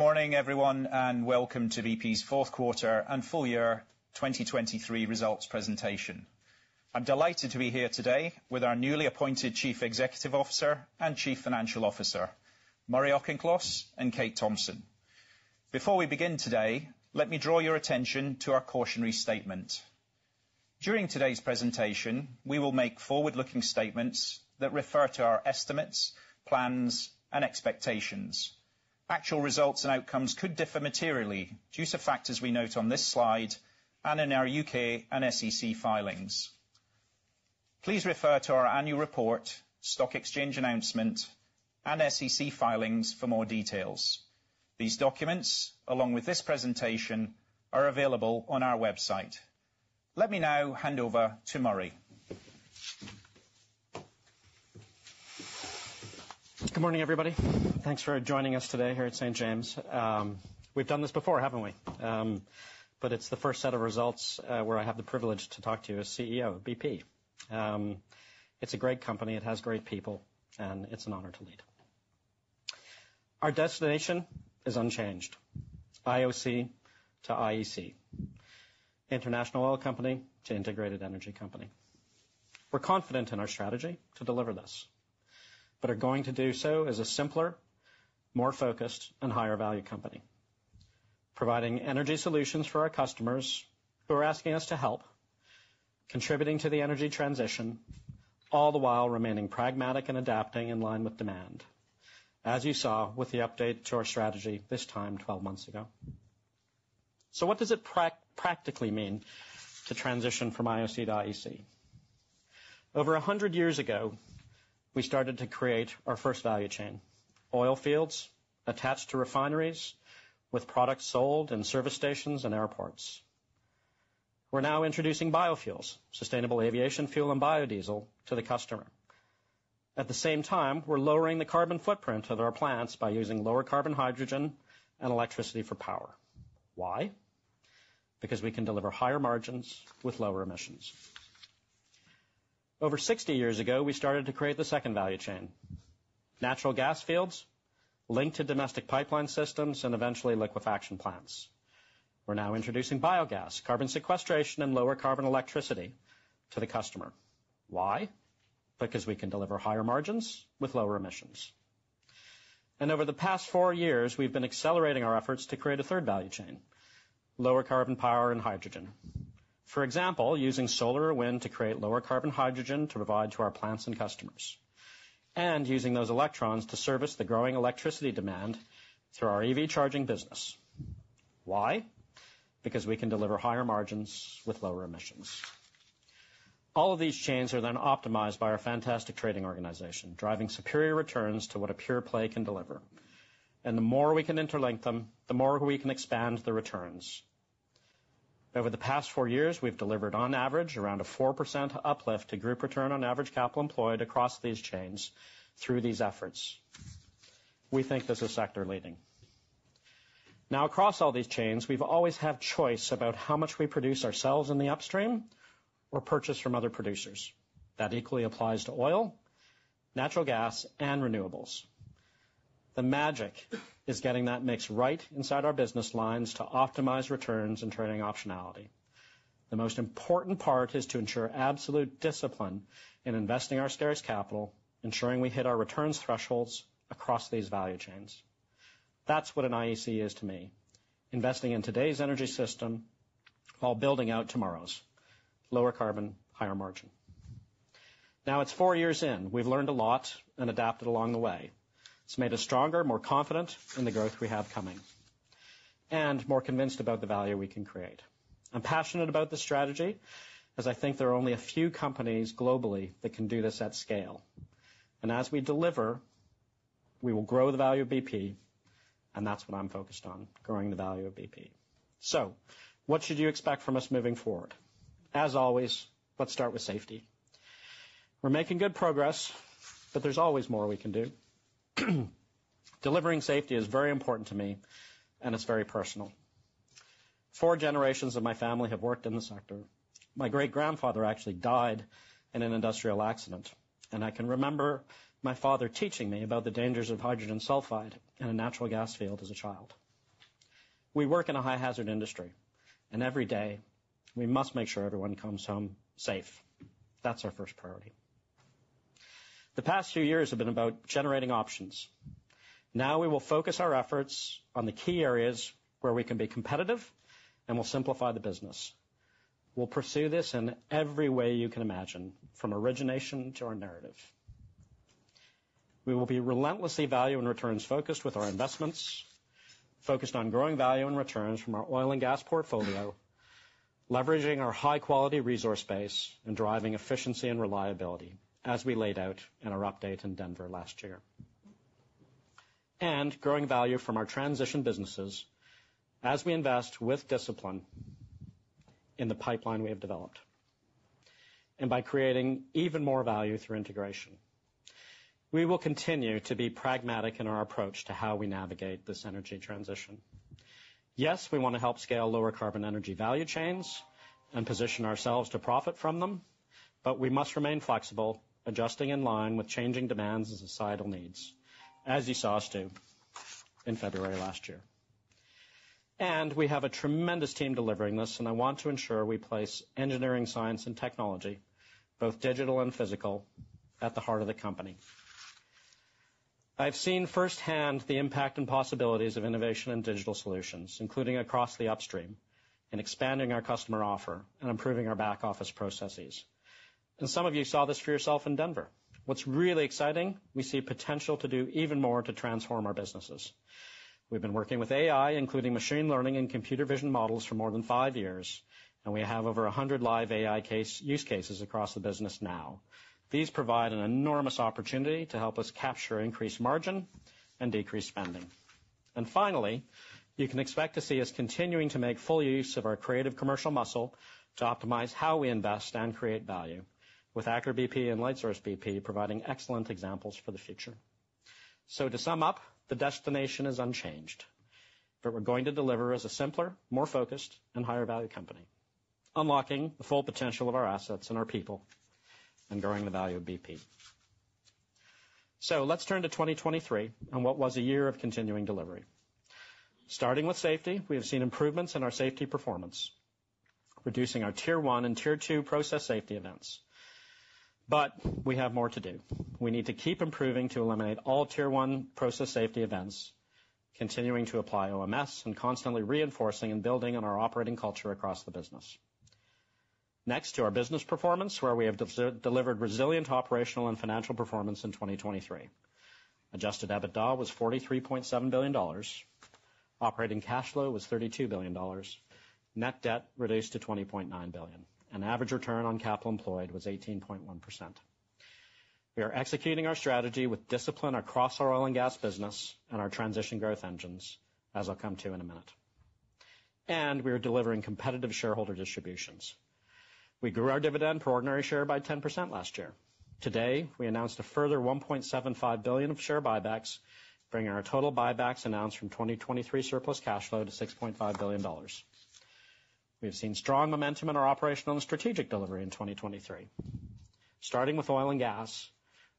Good morning, everyone, and welcome to BP's fourth quarter and full year 2023 results presentation. I'm delighted to be here today with our newly appointed Chief Executive Officer and Chief Financial Officer, Murray Auchincloss and Kate Thomson. Before we begin today, let me draw your attention to our cautionary statement. During today's presentation, we will make forward-looking statements that refer to our estimates, plans, and expectations. Actual results and outcomes could differ materially due to factors we note on this slide and in our UK and SEC filings. Please refer to our annual report, stock exchange announcement, and SEC filings for more details. These documents, along with this presentation, are available on our website. Let me now hand over to Murray. Good morning, everybody. Thanks for joining us today here at St James's. We've done this before, haven't we? But it's the first set of results where I have the privilege to talk to you as CEO of BP. It's a great company, it has great people, and it's an honor to lead. Our destination is unchanged, IOC to IEC, International Oil Company to Integrated Energy Company. We're confident in our strategy to deliver this, but are going to do so as a simpler, more focused, and higher-value company. Providing energy solutions for our customers who are asking us to help, contributing to the energy transition, all the while remaining pragmatic and adapting in line with demand, as you saw with the update to our strategy this time 12 months ago. So what does it practically mean to transition from IOC to IEC? Over 100 years ago, we started to create our first value chain. Oil fields attached to refineries, with products sold in service stations and airports. We're now introducing biofuels, sustainable aviation fuel, and biodiesel to the customer. At the same time, we're lowering the carbon footprint of our plants by using lower carbon hydrogen and electricity for power. Why? Because we can deliver higher margins with lower emissions. Over 60 years ago, we started to create the second value chain. Natural gas fields linked to domestic pipeline systems and eventually liquefaction plants. We're now introducing biogas, carbon sequestration, and lower carbon electricity to the customer. Why? Because we can deliver higher margins with lower emissions. Over the past 4 years, we've been accelerating our efforts to create a third value chain, lower carbon power and hydrogen. For example, using solar or wind to create lower carbon hydrogen to provide to our plants and customers, and using those electrons to service the growing electricity demand through our EV charging business. Why? Because we can deliver higher margins with lower emissions. All of these chains are then optimized by our fantastic trading organization, driving superior returns to what a pure play can deliver. And the more we can interlink them, the more we can expand the returns. Over the past four years, we've delivered, on average, around a 4% uplift to group return on average capital employed across these chains through these efforts. We think this is sector-leading. Now, across all these chains, we've always had choice about how much we produce ourselves in the upstream or purchase from other producers. That equally applies to oil, natural gas, and renewables. The magic is getting that mix right inside our business lines to optimize returns and trading optionality. The most important part is to ensure absolute discipline in investing our shareholders' capital, ensuring we hit our returns thresholds across these value chains. That's what an IEC is to me, investing in today's energy system while building out tomorrow's lower carbon, higher margin. Now, it's four years in. We've learned a lot and adapted along the way. It's made us stronger, more confident in the growth we have coming, and more convinced about the value we can create. I'm passionate about this strategy, as I think there are only a few companies globally that can do this at scale. And as we deliver, we will grow the value of BP, and that's what I'm focused on, growing the value of BP. So what should you expect from us moving forward? As always, let's start with safety. We're making good progress, but there's always more we can do. Delivering safety is very important to me, and it's very personal. Four generations of my family have worked in the sector. My great-grandfather actually died in an industrial accident, and I can remember my father teaching me about the dangers of hydrogen sulfide in a natural gas field as a child. We work in a high-hazard industry, and every day, we must make sure everyone comes home safe. That's our first priority. The past few years have been about generating options. Now we will focus our efforts on the key areas where we can be competitive, and we'll simplify the business. We'll pursue this in every way you can imagine, from origination to our narrative. We will be relentlessly value and returns focused with our investments, focused on growing value and returns from our oil and gas portfolio, leveraging our high-quality resource base, and driving efficiency and reliability, as we laid out in our update in Denver last year. And growing value from our transition businesses as we invest with discipline in the pipeline we have developed, and by creating even more value through integration. We will continue to be pragmatic in our approach to how we navigate this energy transition.... Yes, we want to help scale lower carbon energy value chains and position ourselves to profit from them, but we must remain flexible, adjusting in line with changing demands and societal needs, as you saw us do in February last year. We have a tremendous team delivering this, and I want to ensure we place engineering, science, and technology, both digital and physical, at the heart of the company. I've seen firsthand the impact and possibilities of innovation and digital solutions, including across the upstream, in expanding our customer offer and improving our back-office processes. Some of you saw this for yourself in Denver. What's really exciting, we see potential to do even more to transform our businesses. We've been working with AI, including machine learning and computer vision models, for more than five years, and we have over 100 live AI use cases across the business now. These provide an enormous opportunity to help us capture increased margin and decrease spending. Finally, you can expect to see us continuing to make full use of our creative commercial muscle to optimize how we invest and create value with Aker BP and Lightsource bp providing excellent examples for the future. To sum up, the destination is unchanged, but we're going to deliver as a simpler, more focused, and higher-value company, unlocking the full potential of our assets and our people, and growing the value of bp. Let's turn to 2023 and what was a year of continuing delivery. Starting with safety, we have seen improvements in our safety performance, reducing our Tier 1 and Tier 2 process safety events. But we have more to do. We need to keep improving to eliminate all Tier 1 process safety events, continuing to apply OMS, and constantly reinforcing and building on our operating culture across the business. Next, to our business performance, where we have delivered resilient operational and financial performance in 2023. Adjusted EBITDA was $43.7 billion. Operating cash flow was $32 billion. Net debt reduced to $20.9 billion, and average return on capital employed was 18.1%. We are executing our strategy with discipline across our oil and gas business and our transition growth engines, as I'll come to in a minute. We are delivering competitive shareholder distributions. We grew our dividend per ordinary share by 10% last year. Today, we announced a further $1.75 billion of share buybacks, bringing our total buybacks announced from 2023 surplus cash flow to $6.5 billion. We've seen strong momentum in our operational and strategic delivery in 2023. Starting with oil and gas,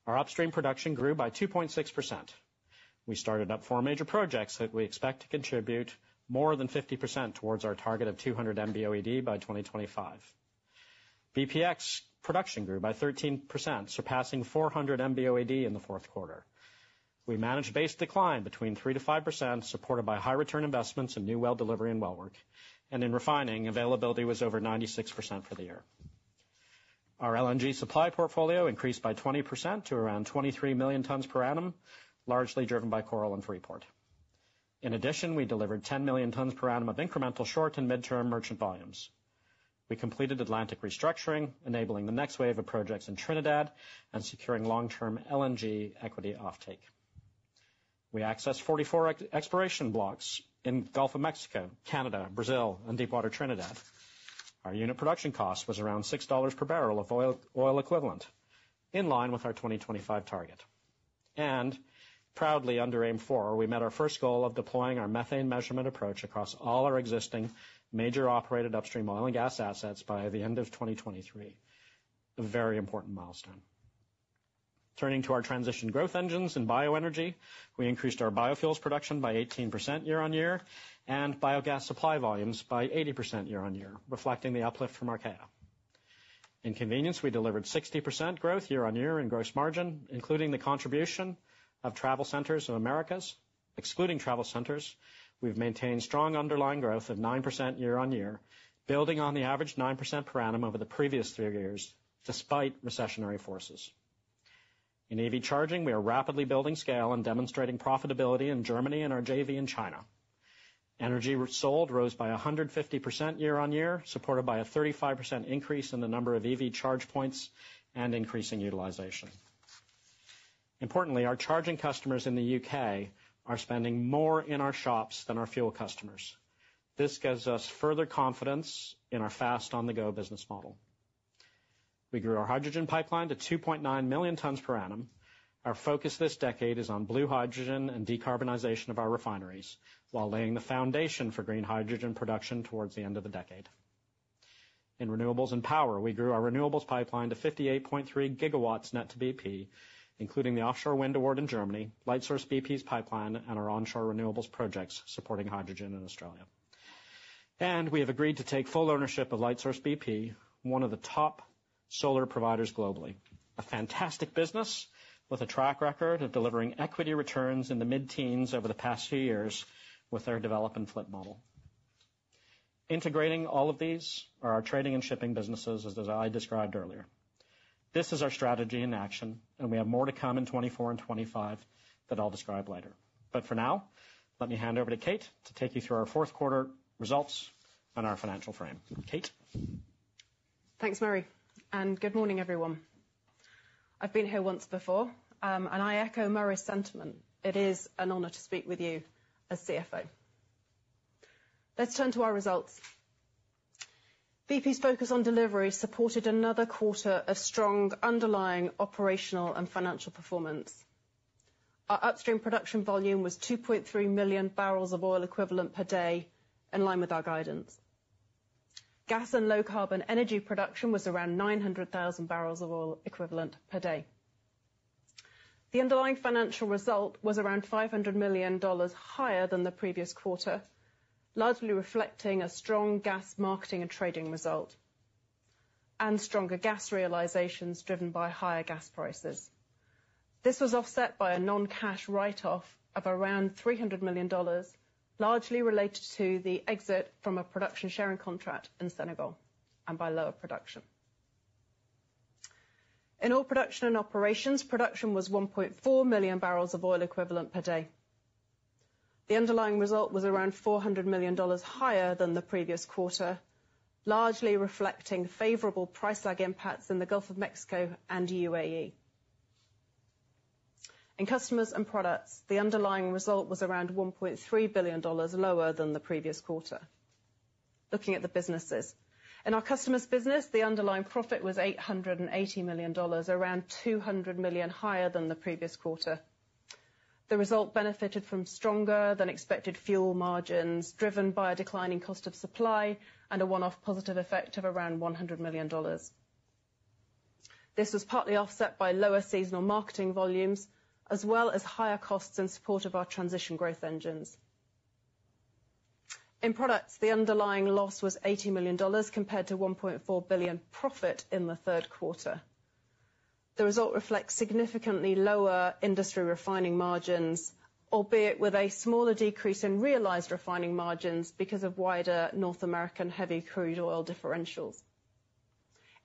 our upstream production grew by 2.6%. We started up 4 major projects that we expect to contribute more than 50% towards our target of 200 MBOED by 2025. BPX production grew by 13%, surpassing 400 MBOED in the fourth quarter. We managed base decline between 3%-5%, supported by high return investments in new well delivery and well work, and in refining, availability was over 96% for the year. Our LNG supply portfolio increased by 20% to around 23 million tons per annum, largely driven by Coral and Freeport. In addition, we delivered 10 million tons per annum of incremental short and midterm merchant volumes. We completed Atlantic restructuring, enabling the next wave of projects in Trinidad and securing long-term LNG equity offtake. We accessed 44 exploration blocks in Gulf of Mexico, Canada, Brazil, and deepwater Trinidad. Our unit production cost was around $6 per barrel of oil equivalent, in line with our 2025 target. Proudly, under Aim 4, we met our first goal of deploying our methane measurement approach across all our existing major operated upstream oil and gas assets by the end of 2023. A very important milestone. Turning to our transition growth engines in bioenergy, we increased our biofuels production by 18% year-on-year, and biogas supply volumes by 80% year-on-year, reflecting the uplift from Archaea. In convenience, we delivered 60% growth year-on-year in gross margin, including the contribution of TravelCenters of America. Excluding travel centers, we've maintained strong underlying growth of 9% year-on-year, building on the average 9% per annum over the previous three years, despite recessionary forces. In EV charging, we are rapidly building scale and demonstrating profitability in Germany and our JV in China. Energy sold rose by 150% year-on-year, supported by a 35% increase in the number of EV charge points and increasing utilization. Importantly, our charging customers in the UK are spending more in our shops than our fuel customers. This gives us further confidence in our fast on-the-go business model. We grew our hydrogen pipeline to 2.9 million tons per annum. Our focus this decade is on blue hydrogen and decarbonization of our refineries, while laying the foundation for green hydrogen production towards the end of the decade. In renewables and power, we grew our renewables pipeline to 58.3 GW net to bp, including the offshore wind award in Germany, Lightsource bp's pipeline, and our onshore renewables projects supporting hydrogen in Australia. We have agreed to take full ownership of Lightsource bp, one of the top solar providers globally, a fantastic business with a track record of delivering equity returns in the mid-teens over the past few years with our develop and flip model. Integrating all of these are our trading and shipping businesses, as I described earlier. This is our strategy in action, and we have more to come in 2024 and 2025 that I'll describe later. For now, let me hand over to Kate to take you through our fourth quarter results and our financial frame. Kate? Thanks, Murray, and good morning, everyone. I've been here once before, and I echo Murray's sentiment. It is an honor to speak with you as CFO. Let's turn to our results. BP's focus on delivery supported another quarter of strong underlying operational and financial performance. Our upstream production volume was 2.3 million barrels of oil equivalent per day, in line with our guidance. Gas and low carbon energy production was around 900,000 barrels of oil equivalent per day. The underlying financial result was around $500 million higher than the previous quarter, largely reflecting a strong gas marketing and trading result, and stronger gas realizations driven by higher gas prices. This was offset by a non-cash write-off of around $300 million, largely related to the exit from a production sharing contract in Senegal and by lower production. In oil production and operations, production was 1.4 million barrels of oil equivalent per day. The underlying result was around $400 million higher than the previous quarter, largely reflecting favorable price lag impacts in the Gulf of Mexico and UAE. In customers and products, the underlying result was around $1.3 billion lower than the previous quarter. Looking at the businesses, in our customer's business, the underlying profit was $880 million, around $200 million higher than the previous quarter. The result benefited from stronger than expected fuel margins, driven by a declining cost of supply and a one-off positive effect of around $100 million. This was partly offset by lower seasonal marketing volumes, as well as higher costs in support of our transition growth engines. In products, the underlying loss was $80 million, compared to $1.4 billion profit in the third quarter. The result reflects significantly lower industry refining margins, albeit with a smaller decrease in realized refining margins, because of wider North American heavy crude oil differentials.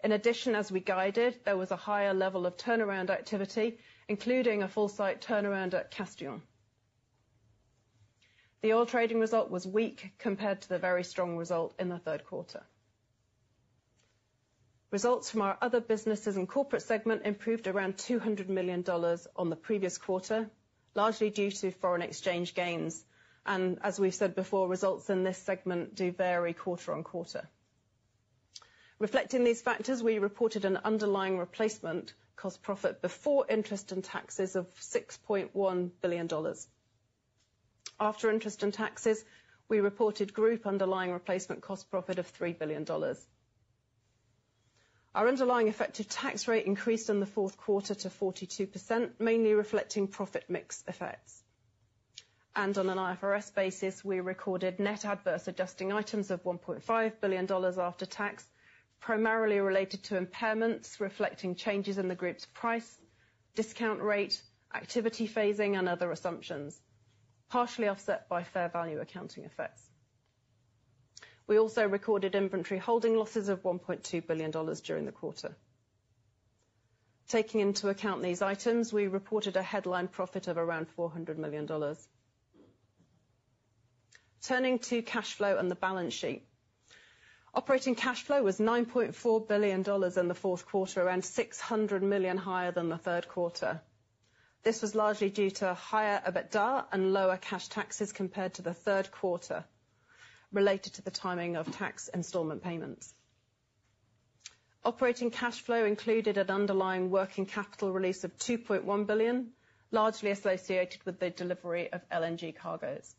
In addition, as we guided, there was a higher level of turnaround activity, including a full site turnaround at Castellón. The oil trading result was weak, compared to the very strong result in the third quarter. Results from our other businesses and corporate segment improved around $200 million on the previous quarter, largely due to foreign exchange gains. And as we've said before, results in this segment do vary quarter on quarter. Reflecting these factors, we reported an underlying replacement cost profit before interest and taxes of $6.1 billion. After interest and taxes, we reported group underlying replacement cost profit of $3 billion. Our underlying effective tax rate increased in the fourth quarter to 42%, mainly reflecting profit mix effects. On an IFRS basis, we recorded net adverse adjusting items of $1.5 billion after tax, primarily related to impairments, reflecting changes in the group's price, discount rate, activity phasing, and other assumptions, partially offset by fair value accounting effects. We also recorded inventory holding losses of $1.2 billion during the quarter. Taking into account these items, we reported a headline profit of around $400 million. Turning to cash flow and the balance sheet. Operating cash flow was $9.4 billion in the fourth quarter, around $600 million higher than the third quarter. This was largely due to higher EBITDA and lower cash taxes, compared to the third quarter, related to the timing of tax installment payments. Operating cash flow included an underlying working capital release of $2.1 billion, largely associated with the delivery of LNG cargoes.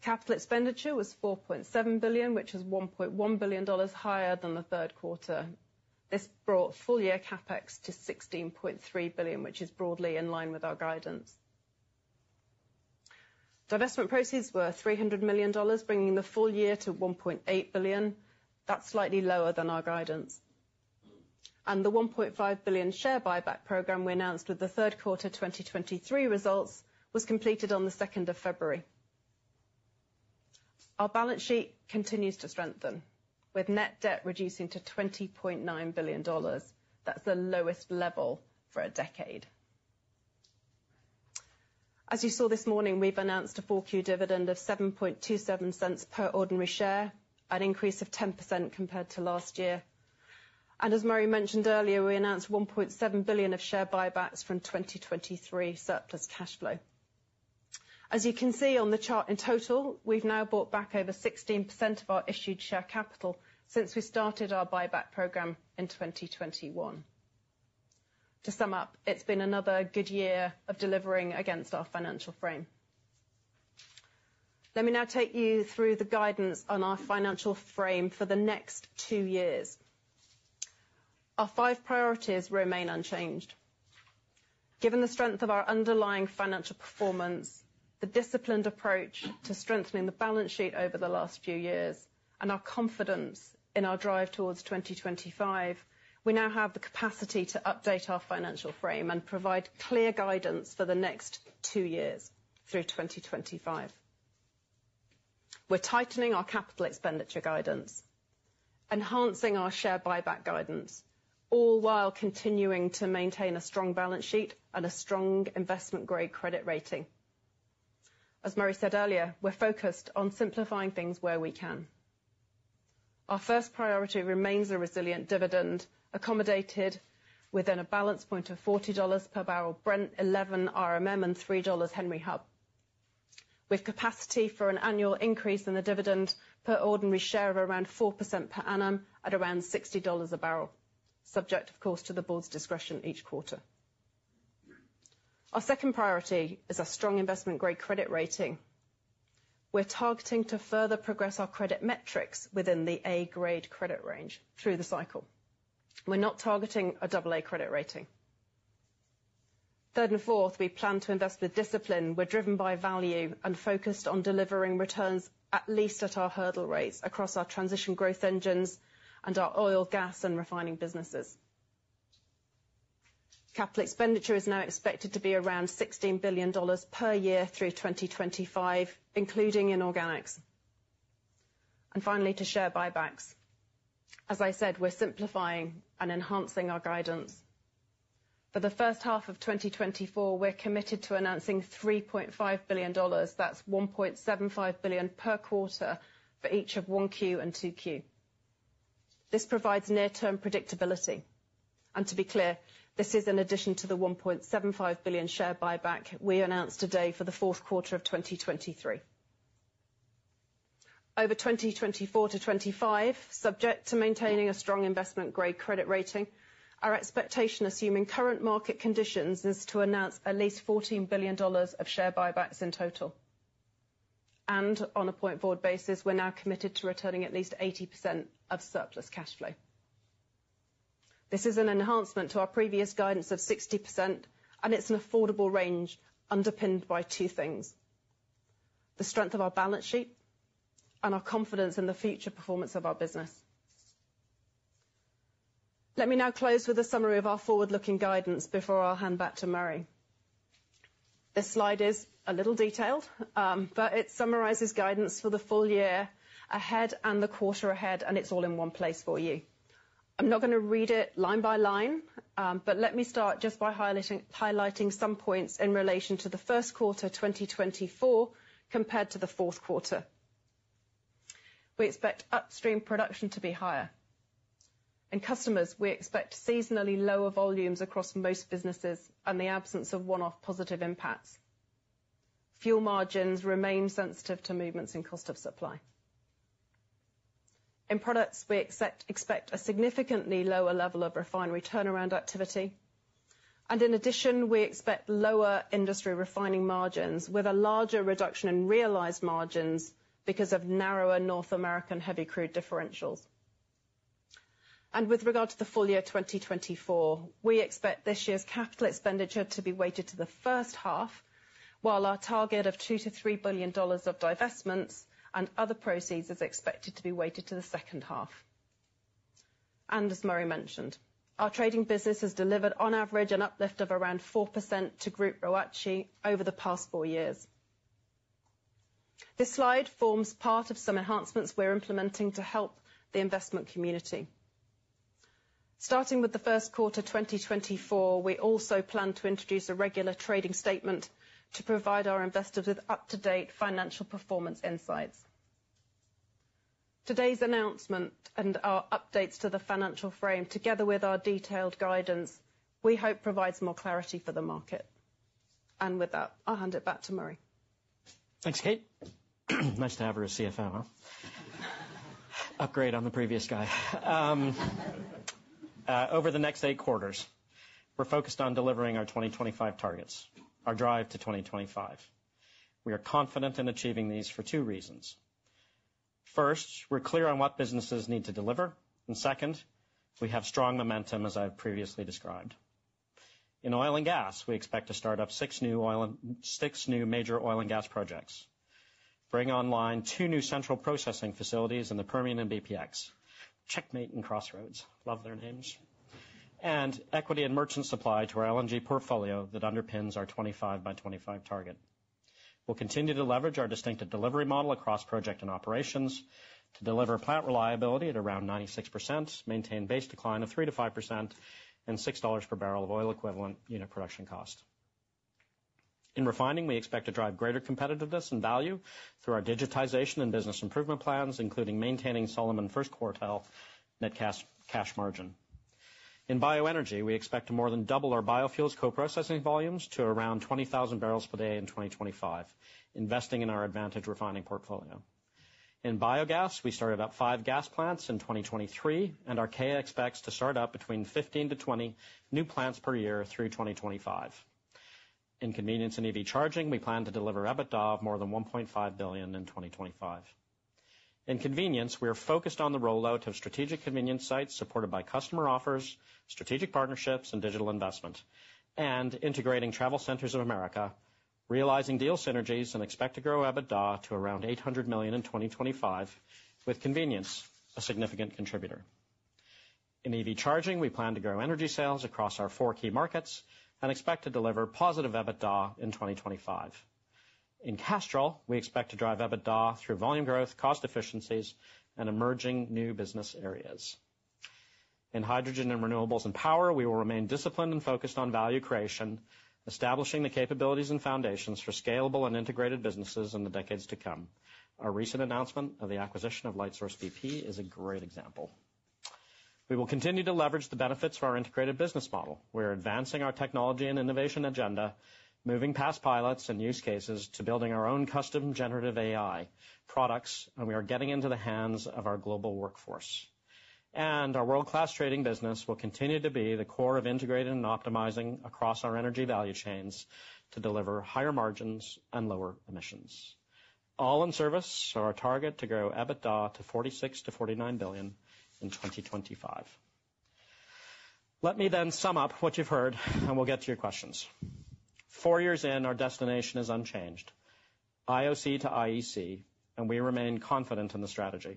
Capital expenditure was $4.7 billion, which is $1.1 billion higher than the third quarter. This brought full year CapEx to $16.3 billion, which is broadly in line with our guidance. Divestment proceeds were $300 million, bringing the full year to $1.8 billion. That's slightly lower than our guidance. And the $1.5 billion share buyback program we announced with the third quarter 2023 results, was completed on the second of February. Our balance sheet continues to strengthen, with net debt reducing to $20.9 billion. That's the lowest level for a decade. As you saw this morning, we've announced a Q4 dividend of $0.0727 per ordinary share, an increase of 10% compared to last year. As Murray mentioned earlier, we announced $1.7 billion of share buybacks from 2023 surplus cash flow. As you can see on the chart, in total, we've now bought back over 16% of our issued share capital since we started our buyback program in 2021. To sum up, it's been another good year of delivering against our financial frame. Let me now take you through the guidance on our financial frame for the next two years. Our five priorities remain unchanged. Given the strength of our underlying financial performance, the disciplined approach to strengthening the balance sheet over the last few years, and our confidence in our drive towards 2025, we now have the capacity to update our financial frame and provide clear guidance for the next two years through 2025. We're tightening our capital expenditure guidance, enhancing our share buyback guidance, all while continuing to maintain a strong balance sheet and a strong investment-grade credit rating. As Murray said earlier, we're focused on simplifying things where we can. Our first priority remains a resilient dividend, accommodated within a balance point of $40 per barrel, Brent $11 WTI and $3 Henry Hub. With capacity for an annual increase in the dividend per ordinary share of around 4% per annum at around $60 a barrel, subject, of course, to the board's discretion each quarter. Our second priority is a strong investment-grade credit rating. We're targeting to further progress our credit metrics within the A-grade credit range through the cycle. We're not targeting a double A credit rating. Third and fourth, we plan to invest with discipline. We're driven by value and focused on delivering returns, at least at our hurdle rates, across our transition growth engines and our oil, gas, and refining businesses. Capital expenditure is now expected to be around $16 billion per year through 2025, including inorganics. And finally, to share buybacks. As I said, we're simplifying and enhancing our guidance. For the first half of 2024, we're committed to announcing $3.5 billion, that's $1.75 billion per quarter, for each of 1Q and 2Q. This provides near-term predictability. To be clear, this is in addition to the $1.75 billion share buyback we announced today for the fourth quarter of 2023. Over 2024-2025, subject to maintaining a strong investment-grade credit rating, our expectation, assuming current market conditions, is to announce at least $14 billion of share buybacks in total. On a go-forward basis, we're now committed to returning at least 80% of surplus cash flow. This is an enhancement to our previous guidance of 60%, and it's an affordable range underpinned by two things: the strength of our balance sheet and our confidence in the future performance of our business. Let me now close with a summary of our forward-looking guidance before I'll hand back to Murray. This slide is a little detailed, but it summarizes guidance for the full year ahead and the quarter ahead, and it's all in one place for you. I'm not gonna read it line by line, but let me start just by highlighting some points in relation to the first quarter, 2024, compared to the fourth quarter. We expect upstream production to be higher. In customers, we expect seasonally lower volumes across most businesses and the absence of one-off positive impacts. Fuel margins remain sensitive to movements in cost of supply. In products, we expect a significantly lower level of refinery turnaround activity. And in addition, we expect lower industry refining margins with a larger reduction in realized margins because of narrower North American heavy crude differentials. With regard to the full year 2024, we expect this year's capital expenditure to be weighted to the first half, while our target of $2-$3 billion of divestments and other proceeds is expected to be weighted to the second half. As Murray mentioned, our trading business has delivered, on average, an uplift of around 4% to Group ROACE over the past four years. This slide forms part of some enhancements we're implementing to help the investment community. Starting with the first quarter 2024, we also plan to introduce a regular trading statement to provide our investors with up-to-date financial performance insights. Today's announcement and our updates to the financial frame, together with our detailed guidance, we hope provides more clarity for the market. With that, I'll hand it back to Murray. Thanks, Kate. Nice to have her as CFO, huh? Upgrade on the previous guy. Over the next 8 quarters, we're focused on delivering our 2025 targets, our drive to 2025. We are confident in achieving these for 2 reasons. First, we're clear on what businesses need to deliver, and second, we have strong momentum, as I've previously described. In oil and gas, we expect to start up 6 new major oil and gas projects, bring online 2 new central processing facilities in the Permian and BPX. Checkmate and Crossroads, love their names. And equity and merchant supply to our LNG portfolio that underpins our 25 by 25 target. We'll continue to leverage our distinctive delivery model across project and operations to deliver plant reliability at around 96%, maintain base decline of 3%-5%, and $6 per barrel of oil equivalent unit production cost. In refining, we expect to drive greater competitiveness and value through our digitization and business improvement plans, including maintaining Solomon first quartile net cash margin. In bioenergy, we expect to more than double our biofuels co-processing volumes to around 20,000 barrels per day in 2025, investing in our advantage refining portfolio. In biogas, we started about 5 gas plants in 2023, and Archaea expects to start up between 15-20 new plants per year through 2025. In convenience and EV charging, we plan to deliver EBITDA of more than $1.5 billion in 2025. In convenience, we are focused on the rollout of strategic convenience sites, supported by customer offers, strategic partnerships, and digital investment, and integrating TravelCenters of America, realizing deal synergies and expect to grow EBITDA to around $800 million in 2025, with convenience a significant contributor. In EV charging, we plan to grow energy sales across our four key markets and expect to deliver positive EBITDA in 2025. In Castrol, we expect to drive EBITDA through volume growth, cost efficiencies, and emerging new business areas. In hydrogen and renewables and power, we will remain disciplined and focused on value creation, establishing the capabilities and foundations for scalable and integrated businesses in the decades to come. Our recent announcement of the acquisition of Lightsource bp is a great example.... We will continue to leverage the benefits of our integrated business model. We're advancing our technology and innovation agenda, moving past pilots and use cases to building our own custom generative AI products, and we are getting into the hands of our global workforce. Our world-class trading business will continue to be the core of integrating and optimizing across our energy value chains to deliver higher margins and lower emissions, all in service of our target to grow EBITDA to $46 billion-$49 billion in 2025. Let me then sum up what you've heard, and we'll get to your questions. 4 years in, our destination is unchanged, IOC to IEC, and we remain confident in the strategy.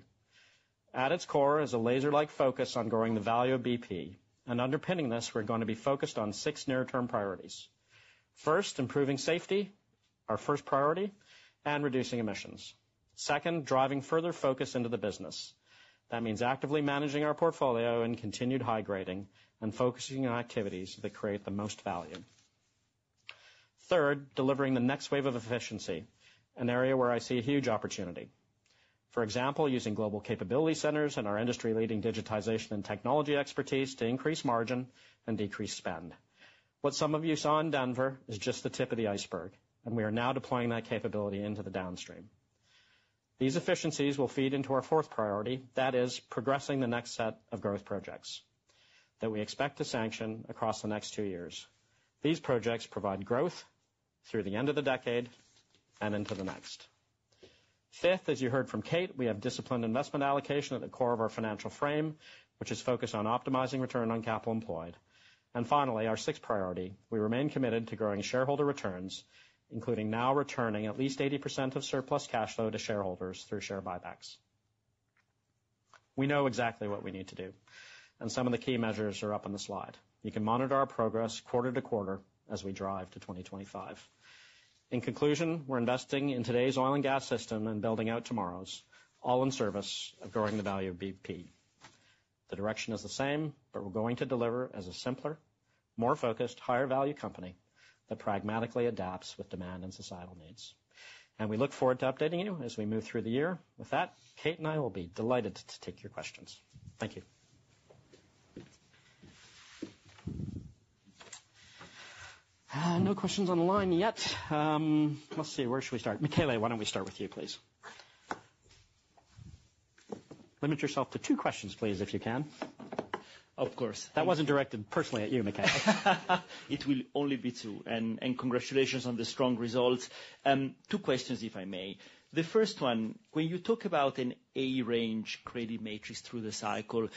At its core is a laser-like focus on growing the value of bp, and underpinning this, we're going to be focused on 6 near-term priorities. First, improving safety, our first priority, and reducing emissions. Second, driving further focus into the business. That means actively managing our portfolio and continued high grading and focusing on activities that create the most value. Third, delivering the next wave of efficiency, an area where I see a huge opportunity. For example, using global capability centers and our industry-leading digitization and technology expertise to increase margin and decrease spend. What some of you saw in Denver is just the tip of the iceberg, and we are now deploying that capability into the downstream. These efficiencies will feed into our fourth priority, that is progressing the next set of growth projects that we expect to sanction across the next two years. These projects provide growth through the end of the decade and into the next. Fifth, as you heard from Kate, we have disciplined investment allocation at the core of our financial frame, which is focused on optimizing return on capital employed. Finally, our sixth priority, we remain committed to growing shareholder returns, including now returning at least 80% of surplus cash flow to shareholders through share buybacks. We know exactly what we need to do, and some of the key measures are up on the slide. You can monitor our progress quarter to quarter as we drive to 2025. In conclusion, we're investing in today's oil and gas system and building out tomorrow's, all in service of growing the value of bp. The direction is the same, but we're going to deliver as a simpler, more focused, higher-value company that pragmatically adapts with demand and societal needs. And we look forward to updating you as we move through the year. With that, Kate and I will be delighted to take your questions. Thank you. No questions on the line yet. Let's see, where should we start? Michele, why don't we start with you, please? Limit yourself to two questions, please, if you can. Of course. That wasn't directed personally at you, Michele. It will only be two. And congratulations on the strong results. Two questions, if I may. The first one, when you talk about an A range credit matrix through the cycle,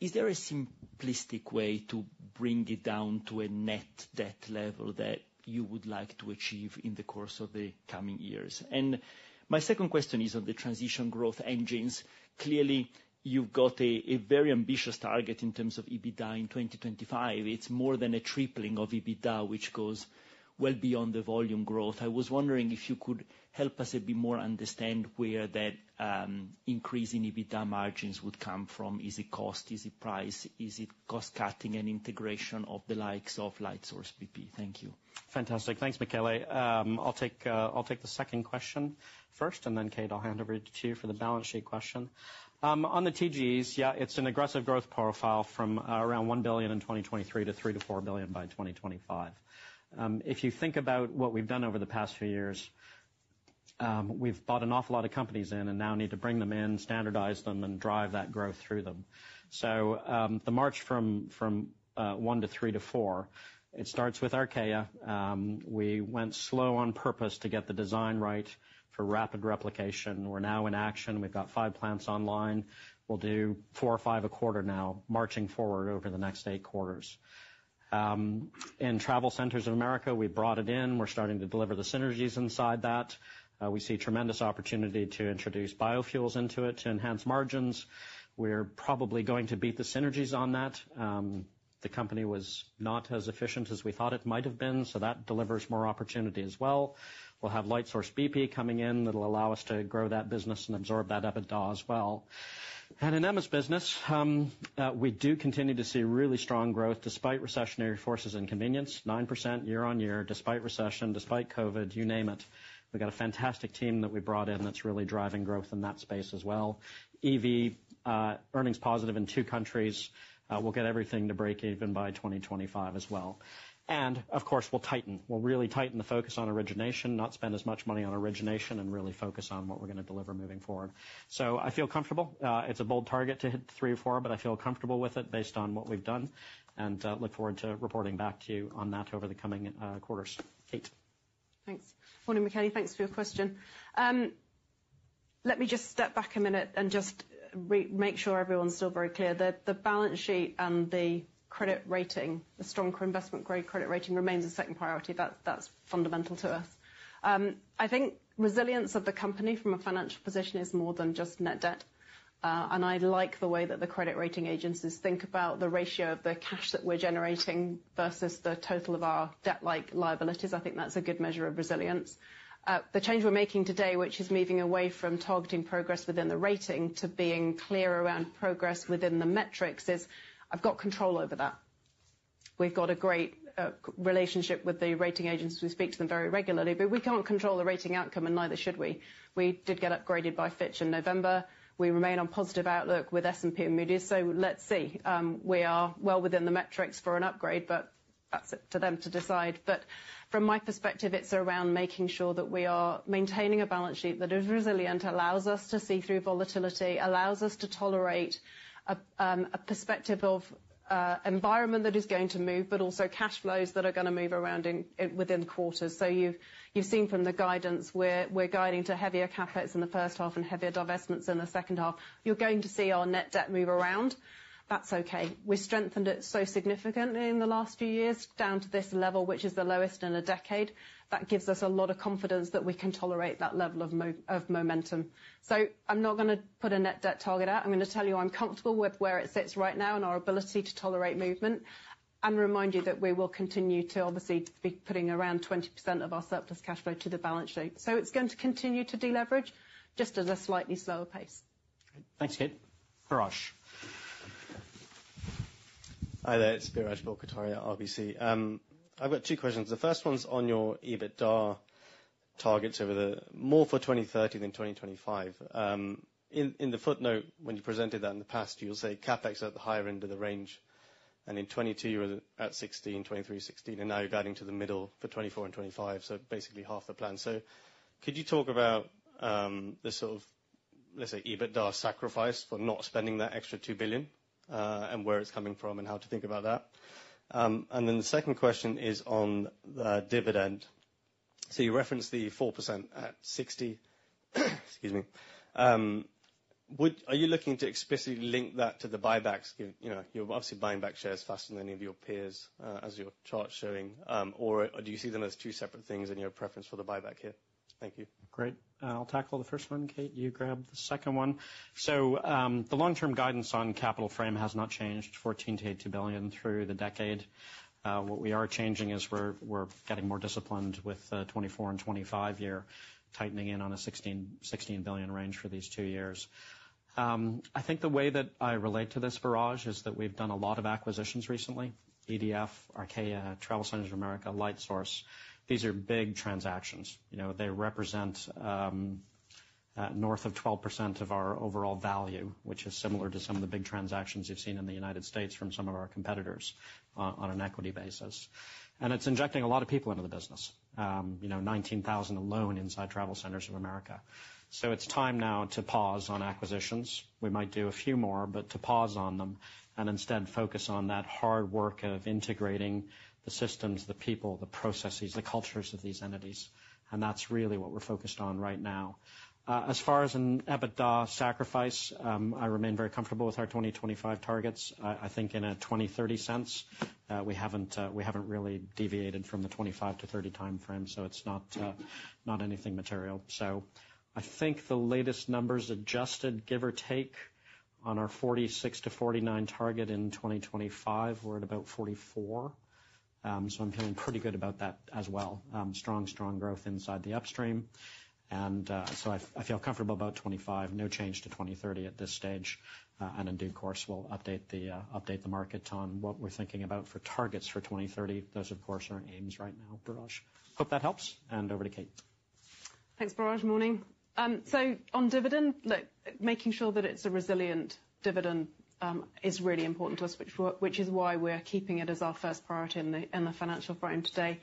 is there a simplistic way to bring it down to a net debt level that you would like to achieve in the course of the coming years? And my second question is on the transition growth engines. Clearly, you've got a very ambitious target in terms of EBITDA in 2025. It's more than a tripling of EBITDA, which goes well beyond the volume growth. I was wondering if you could help us a bit more understand where that increase in EBITDA margins would come from. Is it cost? Is it price? Is it cost cutting and integration of the likes of Lightsource bp? Thank you. Fantastic. Thanks, Michele. I'll take the second question first, and then, Kate, I'll hand over to you for the balance sheet question. On the TGEs, yeah, it's an aggressive growth profile from around $1 billion in 2023 to $3-$4 billion by 2025. If you think about what we've done over the past few years, we've bought an awful lot of companies in and now need to bring them in, standardize them, and drive that growth through them. So, the march from, from, 1 to 3 to 4, it starts with Archaea. We went slow on purpose to get the design right for rapid replication. We're now in action. We've got 5 plants online. We'll do 4 or 5 a quarter now, marching forward over the next 8 quarters. In TravelCenters of America, we brought it in. We're starting to deliver the synergies inside that. We see tremendous opportunity to introduce biofuels into it to enhance margins. We're probably going to beat the synergies on that. The company was not as efficient as we thought it might have been, so that delivers more opportunity as well. We'll have Lightsource bp coming in. That'll allow us to grow that business and absorb that EBITDA as well. And in Emma's business, we do continue to see really strong growth, despite recessionary forces and convenience, 9% year-on-year, despite recession, despite COVID, you name it. We've got a fantastic team that we brought in that's really driving growth in that space as well. EV, earnings positive in two countries, we'll get everything to break even by 2025 as well. Of course, we'll tighten. We'll really tighten the focus on origination, not spend as much money on origination, and really focus on what we're gonna deliver moving forward. I feel comfortable. It's a bold target to hit three or four, but I feel comfortable with it based on what we've done, and look forward to reporting back to you on that over the coming quarters. Kate? Thanks. Morning, Michele, thanks for your question. Let me just step back a minute and just make sure everyone's still very clear. The balance sheet and the credit rating, the stronger investment-grade credit rating, remains a second priority. That's fundamental to us. I think resilience of the company from a financial position is more than just net debt, and I like the way that the credit rating agencies think about the ratio of the cash that we're generating versus the total of our debt-like liabilities. I think that's a good measure of resilience. The change we're making today, which is moving away from targeting progress within the rating to being clear around progress within the metrics, is. I've got control over that. We've got a great relationship with the rating agencies. We speak to them very regularly, but we can't control the rating outcome, and neither should we. We did get upgraded by Fitch in November. We remain on positive outlook with S&P and Moody's, so let's see. We are well within the metrics for an upgrade, but that's up to them to decide. But from my perspective, it's around making sure that we are maintaining a balance sheet that is resilient, allows us to see through volatility, allows us to tolerate a, a perspective of a environment that is going to move, but also cash flows that are gonna move around in, within quarters. So you've, you've seen from the guidance where we're guiding to heavier CapEx in the first half and heavier divestments in the second half. You're going to see our net debt move around. That's okay. We strengthened it so significantly in the last few years, down to this level, which is the lowest in a decade. That gives us a lot of confidence that we can tolerate that level of momentum. So I'm not gonna put a net debt target out. I'm gonna tell you I'm comfortable with where it sits right now and our ability to tolerate movement, and remind you that we will continue to obviously to be putting around 20% of our surplus cash flow to the balance sheet. So it's going to continue to deleverage, just at a slightly slower pace. Thanks, Kate. Biraj. Hi there, it's Biraj Borkhataria, RBC. I've got two questions. The first one's on your EBITDA targets over the more for 2030 than 2025. In the footnote, when you presented that in the past, you'll say CapEx are at the higher end of the range, and in 2022 you were at $16 billion, 2023, $16 billion, and now you're guiding to the middle for 2024 and 2025, so basically half the plan. So could you talk about the sort of, let's say, EBITDA sacrifice for not spending that extra $2 billion, and where it's coming from and how to think about that? And then the second question is on the dividend. So you referenced the 4% at $60. Excuse me. Are you looking to explicitly link that to the buybacks? You know, you're obviously buying back shares faster than any of your peers, as your chart's showing. Or do you see them as two separate things in your preference for the buyback here? Thank you. Great. I'll tackle the first one, Kate, you grab the second one. So, the long-term guidance on capital frame has not changed, $14 billion-$20 billion through the decade. What we are changing is we're, we're getting more disciplined with the 2024 and 2025 year, tightening in on a $16 billion-$16 billion range for these two years. I think the way that I relate to this, Biraj, is that we've done a lot of acquisitions recently. EDF, Archaea, TravelCenters of America, Lightsource. These are big transactions. You know, they represent north of 12% of our overall value, which is similar to some of the big transactions you've seen in the United States from some of our competitors o- on an equity basis. And it's injecting a lot of people into the business. You know, 19,000 alone inside TravelCenters of America. So it's time now to pause on acquisitions. We might do a few more, but to pause on them, and instead focus on that hard work of integrating the systems, the people, the processes, the cultures of these entities, and that's really what we're focused on right now. As far as an EBITDA sacrifice, I remain very comfortable with our 2025 targets. I, I think in a 2030 sense, we haven't, we haven't really deviated from the 25-30 timeframe, so it's not, not anything material. So I think the latest numbers adjusted, give or take, on our 46-49 target in 2025, we're at about 44. So I'm feeling pretty good about that as well. Strong, strong growth inside the upstream. And, so I, I feel comfortable about 25. No change to 2030 at this stage. And in due course, we'll update the update the market on what we're thinking about for targets for 2030. Those, of course, are aims right now, Biraj. Hope that helps, and over to Kate. Thanks, Biraj. Morning. So on dividend, look, making sure that it's a resilient dividend is really important to us, which, which is why we're keeping it as our first priority in the, in the financial frame today.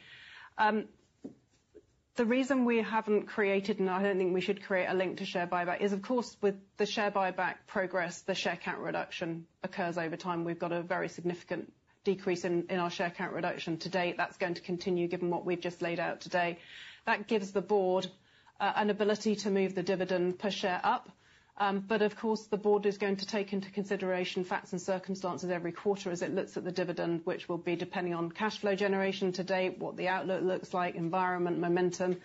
The reason we haven't created, and I don't think we should create a link to share buyback is, of course, with the share buyback progress, the share count reduction occurs over time. We've got a very significant decrease in, in our share count reduction to date. That's going to continue, given what we've just laid out today. That gives the board an ability to move the dividend per share up. But of course, the board is going to take into consideration facts and circumstances every quarter as it looks at the dividend, which will be depending on cash flow generation to date, what the outlook looks like, environment, momentum.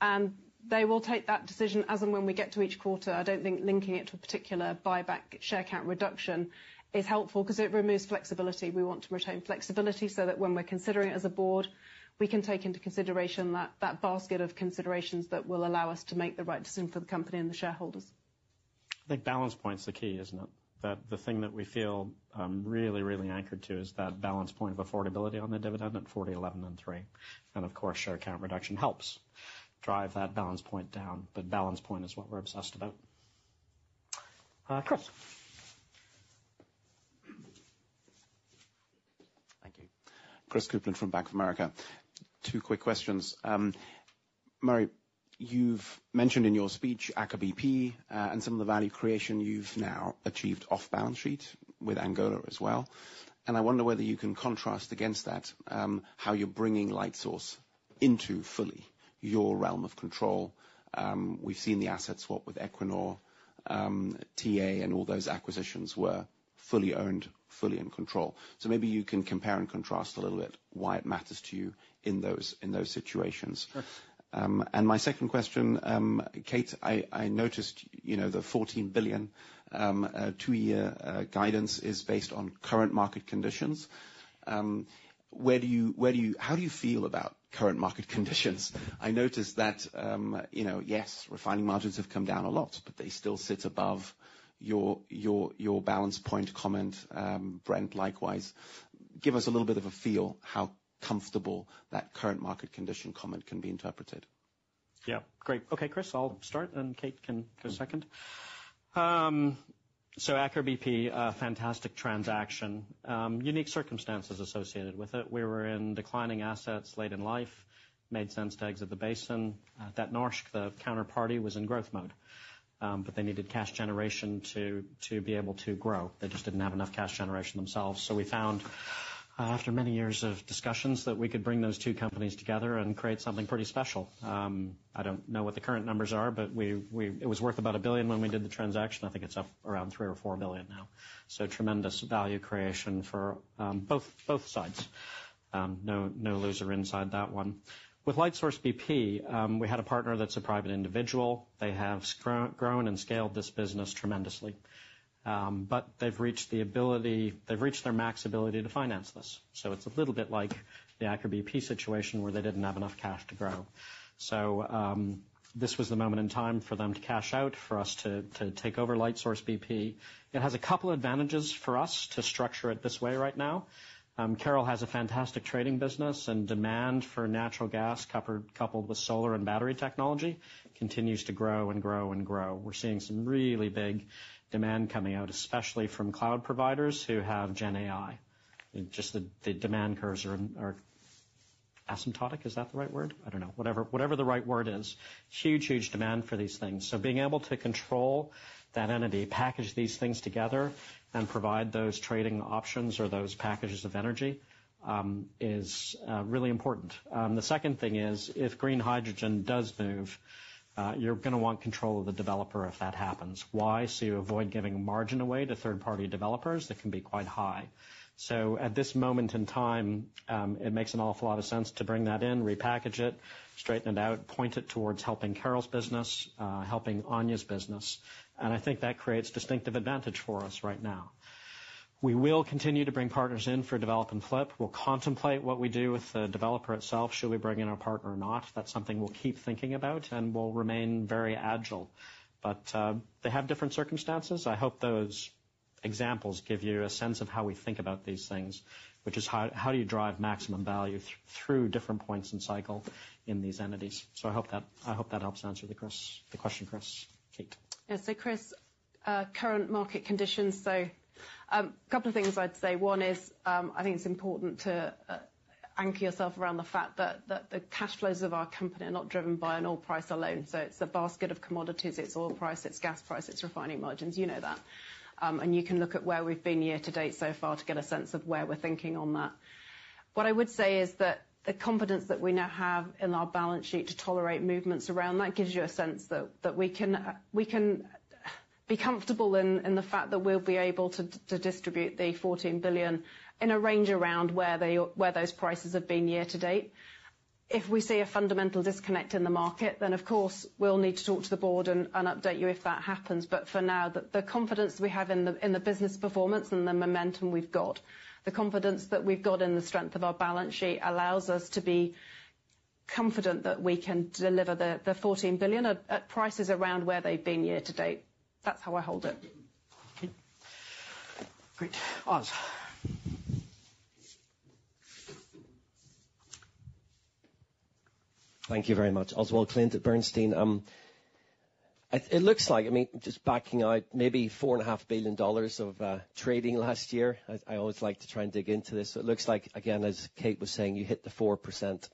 And they will take that decision as and when we get to each quarter. I don't think linking it to a particular buyback share count reduction is helpful, because it removes flexibility. We want to retain flexibility so that when we're considering it as a board, we can take into consideration that, that basket of considerations that will allow us to make the right decision for the company and the shareholders. I think balance point's the key, isn't it? That the thing that we feel really, really anchored to is that balance point of affordability on the dividend at 40, 11, and 3. Of course, share count reduction helps drive that balance point down, but balance point is what we're obsessed about. Chris? Thank you. Chris Kuplent from Bank of America. Two quick questions. Murray, you've mentioned in your speech Aker BP, and some of the value creation you've now achieved off balance sheet with Angola as well. I wonder whether you can contrast against that, how you're bringing Lightsource into fully your realm of control. We've seen the assets swap with Equinor, TA and all those acquisitions were fully owned, fully in control. So maybe you can compare and contrast a little bit why it matters to you in those, in those situations. Sure. And my second question, Kate, I, I noticed, you know, the $14 billion two-year guidance is based on current market conditions. Where do you how do you feel about current market conditions? I noticed that, you know, yes, refining margins have come down a lot, but they still sit above your, your, your balance point comment, Brent, likewise. Give us a little bit of a feel how comfortable that current market condition comment can be interpreted.... Yeah. Great. Okay, Chris, I'll start, and then Kate can go second. So Aker BP, a fantastic transaction, unique circumstances associated with it. We were in declining assets late in life, made sense to exit the basin. That Aker, the counterparty, was in growth mode, but they needed cash generation to be able to grow. They just didn't have enough cash generation themselves. So we found, after many years of discussions, that we could bring those two companies together and create something pretty special. I don't know what the current numbers are, but it was worth about $1 billion when we did the transaction. I think it's up around $3 billion or $4 billion now. So tremendous value creation for both sides. No loser inside that one. With Lightsource bp, we had a partner that's a private individual. They have grown and scaled this business tremendously. But they've reached the ability, they've reached their max ability to finance this. So it's a little bit like the Aker BP situation, where they didn't have enough cash to grow. So, this was the moment in time for them to cash out, for us to take over Lightsource bp. It has a couple of advantages for us to structure it this way right now. Carol has a fantastic trading business, and demand for natural gas, coupled with solar and battery technology, continues to grow and grow and grow. We're seeing some really big demand coming out, especially from cloud providers who have gen AI. Just the demand curves are asymptotic. Is that the right word? I don't know. Whatever, whatever the right word is, huge, huge demand for these things. So being able to control that entity, package these things together, and provide those trading options or those packages of energy, is really important. The second thing is, if Green Hydrogen does move, you're gonna want control of the developer, if that happens. Why? So you avoid giving margin away to third-party developers, that can be quite high. So at this moment in time, it makes an awful lot of sense to bring that in, repackage it, straighten it out, point it towards helping Carol's business, helping Anja's business. And I think that creates distinctive advantage for us right now. We will continue to bring partners in for develop and flip. We'll contemplate what we do with the developer itself, should we bring in our partner or not? That's something we'll keep thinking about, and we'll remain very agile. But they have different circumstances. I hope those examples give you a sense of how we think about these things, which is how do you drive maximum value through different points in cycle in these entities? So I hope that, I hope that helps answer Chris's question, Chris. Kate? Yeah. So, Chris, current market conditions, so, a couple of things I'd say. One is, I think it's important to anchor yourself around the fact that the cash flows of our company are not driven by an oil price alone. So it's a basket of commodities, it's oil price, it's gas price, it's refining margins. You know that. And you can look at where we've been year-to-date so far to get a sense of where we're thinking on that. What I would say is that the confidence that we now have in our balance sheet to tolerate movements around that gives you a sense that we can be comfortable in the fact that we'll be able to distribute the $14 billion in a range around where they are—where those prices have been year-to-date. If we see a fundamental disconnect in the market, then, of course, we'll need to talk to the board and update you if that happens. But for now, the confidence we have in the business performance and the momentum we've got, the confidence that we've got in the strength of our balance sheet, allows us to be confident that we can deliver the $14 billion at prices around where they've been year-to-date. That's how I hold it. Great. Oz. Thank you very much. Oswald Clint at Bernstein. It looks like, I mean, just backing out maybe $4.5 billion of trading last year. I always like to try and dig into this. So it looks like, again, as Kate was saying, you hit the 4%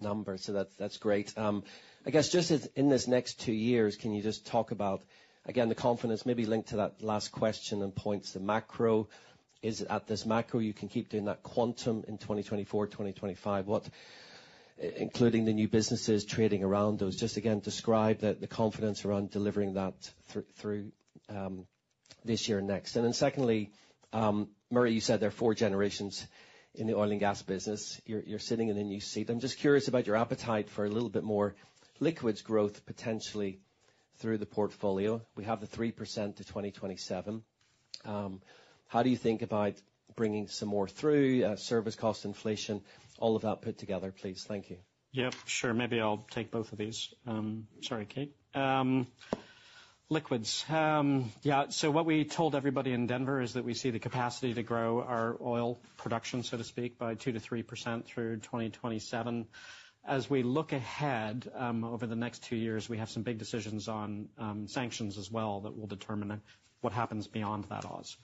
number, so that's great. I guess, just as in this next two years, can you just talk about, again, the confidence maybe linked to that last question and points, the macro. Is it at this macro, you can keep doing that quantum in 2024, 2025? What... Including the new businesses trading around those, just again, describe the confidence around delivering that through this year and next. And then secondly, Murray, you said there are four generations in the oil and gas business. You're sitting in a new seat. I'm just curious about your appetite for a little bit more liquids growth, potentially through the portfolio. We have the 3% to 2027. How do you think about bringing some more through service cost, inflation, all of that put together, please? Thank you. Yeah, sure. Maybe I'll take both of these. Sorry, Kate. Liquids. Yeah, so what we told everybody in Denver is that we see the capacity to grow our oil production, so to speak, by 2%-3% through 2027. As we look ahead, over the next 2 years, we have some big decisions on sanctions as well, that will determine what happens beyond that, Oz.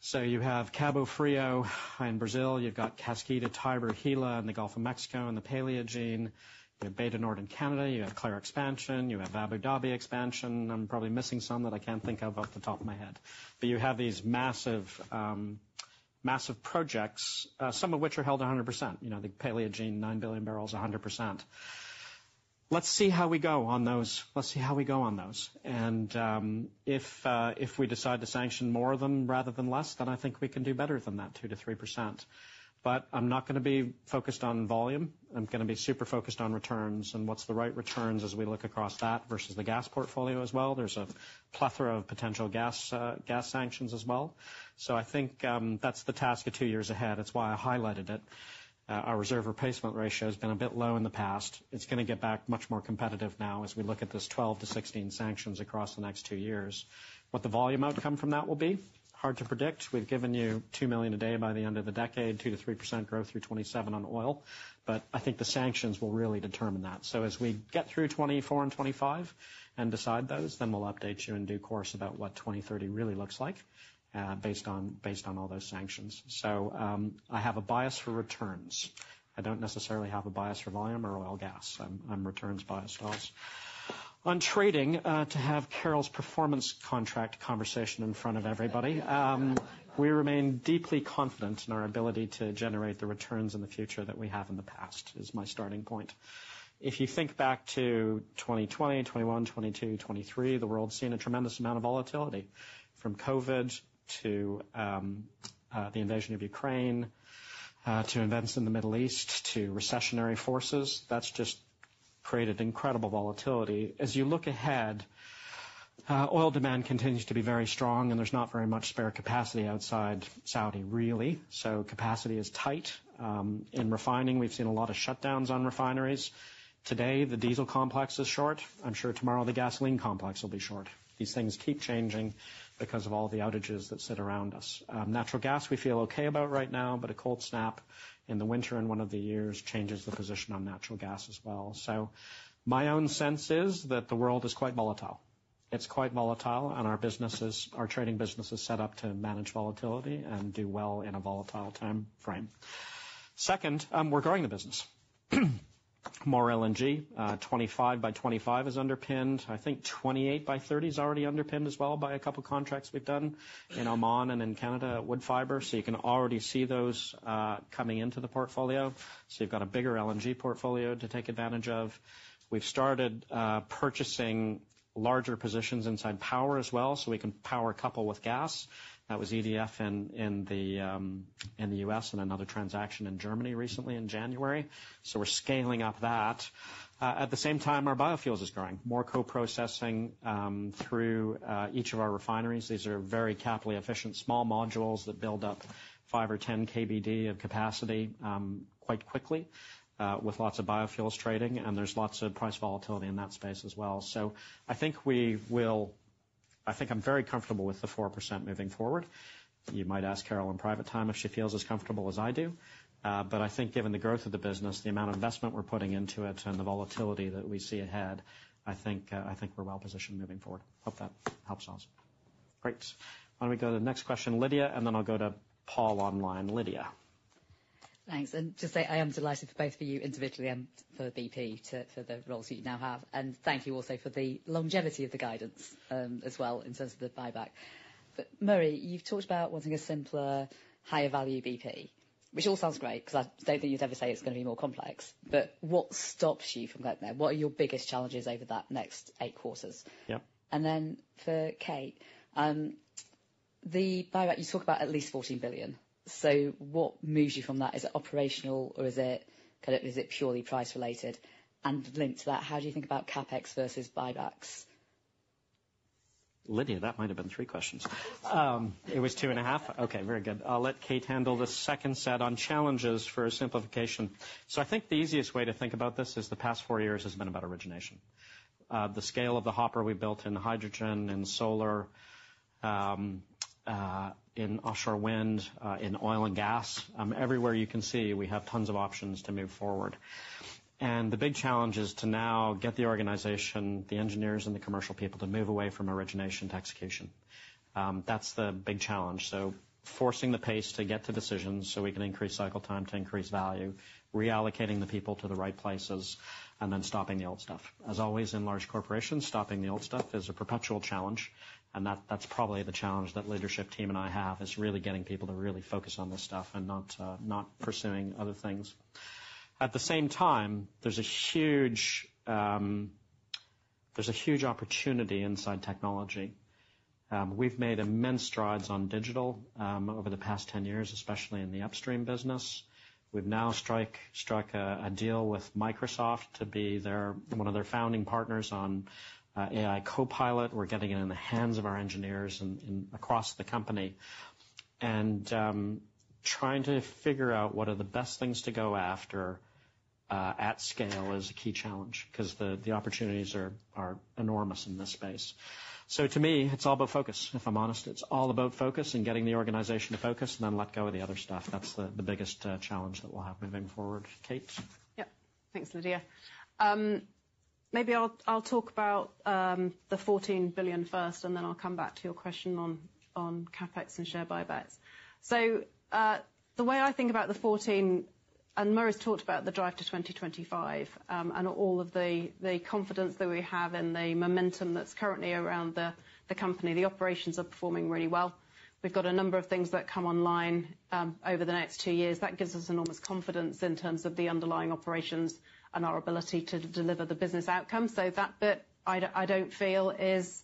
So you have Cabo Frio in Brazil, you've got Kaskida, Tiber, Gila in the Gulf of Mexico, and the Paleogene. You have Bay du Nord in Canada, you have Clair expansion, you have Abu Dhabi expansion. I'm probably missing some that I can't think of off the top of my head. But you have these massive, massive projects, some of which are held 100%. You know, the Paleogene, 9 billion barrels, 100%. Let's see how we go on those. Let's see how we go on those. And, if, if we decide to sanction more of them rather than less, then I think we can do better than that 2%-3%. But I'm not gonna be focused on volume. I'm gonna be super focused on returns and what's the right returns, as we look across that versus the gas portfolio as well. There's a plethora of potential gas, gas sanctions as well. So I think, that's the task of two years ahead. It's why I highlighted it.... Our reserve replacement ratio has been a bit low in the past. It's gonna get back much more competitive now as we look at this 12-16 sanctions across the next two years. What the volume outcome from that will be, hard to predict. We've given you 2 million a day by the end of the decade, 2%-3% growth through 2027 on oil, but I think the sanctions will really determine that. So as we get through 2024 and 2025 and decide those, then we'll update you in due course about what 2030 really looks like, based on, based on all those sanctions. So, I have a bias for returns. I don't necessarily have a bias for volume or oil and gas. I'm, I'm returns biased as well. On trading, to have Carol's performance contract conversation in front of everybody, we remain deeply confident in our ability to generate the returns in the future that we have in the past, is my starting point. If you think back to 2020, 2021, 2022, 2023, the world's seen a tremendous amount of volatility, from COVID to, the invasion of Ukraine, to events in the Middle East, to recessionary forces. That's just created incredible volatility. As you look ahead, oil demand continues to be very strong, and there's not very much spare capacity outside Saudi, really. So capacity is tight. In refining, we've seen a lot of shutdowns on refineries. Today, the diesel complex is short. I'm sure tomorrow the gasoline complex will be short. These things keep changing because of all the outages that sit around us. Natural gas, we feel okay about right now, but a cold snap in the winter in one of the years changes the position on natural gas as well. So my own sense is that the world is quite volatile. It's quite volatile, and our businesses, our trading business is set up to manage volatility and do well in a volatile time frame. Second, we're growing the business. More LNG, 25 by 25 is underpinned. I think 28 by 30 is already underpinned as well by a couple of contracts we've done in Oman and in Canada, Woodfibre, so you can already see those, coming into the portfolio. So you've got a bigger LNG portfolio to take advantage of. We've started, purchasing larger positions inside power as well, so we can power a couple with gas. That was EDF in, in the, in the US, and another transaction in Germany recently in January. So we're scaling up that. At the same time, our biofuels is growing. More co-processing, through, each of our refineries. These are very capital efficient, small modules that build up 5 or 10 KBD of capacity quite quickly, with lots of biofuels trading, and there's lots of price volatility in that space as well. I think I'm very comfortable with the 4% moving forward. You might ask Carol in private time if she feels as comfortable as I do, but I think given the growth of the business, the amount of investment we're putting into it, and the volatility that we see ahead, I think we're well positioned moving forward. Hope that helps us. Great. Why don't we go to the next question, Lydia, and then I'll go to Paul online. Lydia? Thanks. And just say, I am delighted for both of you, individually and for BP, to, for the roles that you now have. And thank you also for the longevity of the guidance, as well, in terms of the buyback. But Murray, you've talked about wanting a simpler, higher value BP, which all sounds great, because I don't think you'd ever say it's gonna be more complex. But what stops you from getting there? What are your biggest challenges over that next 8 quarters? Yep. And then for Kate, the buyback, you talk about at least $14 billion. So what moves you from that? Is it operational or is it, kind of, is it purely price related? And linked to that, how do you think about CapEx versus buybacks? Lydia, that might have been 3 questions. It was 2.5. Okay, very good. I'll let Kate handle the second set on challenges for simplification. So I think the easiest way to think about this is the past 4 years has been about origination. The scale of the hopper we built in hydrogen and solar, in offshore wind, in oil and gas, everywhere you can see, we have tons of options to move forward. And the big challenge is to now get the organization, the engineers and the commercial people, to move away from origination to execution. That's the big challenge. So forcing the pace to get to decisions so we can increase cycle time to increase value, reallocating the people to the right places, and then stopping the old stuff. As always, in large corporations, stopping the old stuff is a perpetual challenge, and that's probably the challenge that leadership team and I have, is really getting people to really focus on this stuff and not pursuing other things. At the same time, there's a huge opportunity inside technology. We've made immense strides on digital over the past 10 years, especially in the upstream business. We've now struck a deal with Microsoft to be their one of their founding partners on AI Copilot. We're getting it in the hands of our engineers and across the company. And trying to figure out what are the best things to go after at scale is a key challenge, 'cause the opportunities are enormous in this space. So to me, it's all about focus, if I'm honest. It's all about focus and getting the organization to focus, and then let go of the other stuff. That's the biggest challenge that we'll have moving forward. Kate? Yep. Thanks, Lydia. Maybe I'll talk about the $14 billion first, and then I'll come back to your question on CapEx and share buybacks. So, the way I think about the $14 billion, and Murray's talked about the drive to 2025, and all of the confidence that we have and the momentum that's currently around the company. The operations are performing really well. We've got a number of things that come online over the next 2 years. That gives us enormous confidence in terms of the underlying operations and our ability to deliver the business outcomes. So that bit, I don't feel is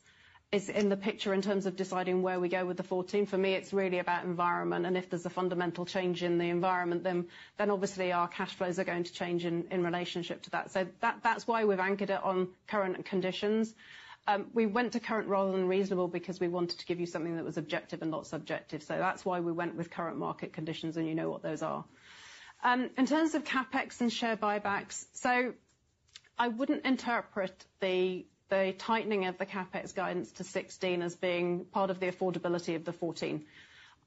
in the picture in terms of deciding where we go with the $14 billion. For me, it's really about environment, and if there's a fundamental change in the environment, then obviously our cash flows are going to change in relationship to that. So that's why we've anchored it on current conditions. We went to current rather than reasonable because we wanted to give you something that was objective and not subjective. So that's why we went with current market conditions, and you know what those are. In terms of CapEx and share buybacks, so-... I wouldn't interpret the tightening of the CapEx guidance to 16 as being part of the affordability of the 14.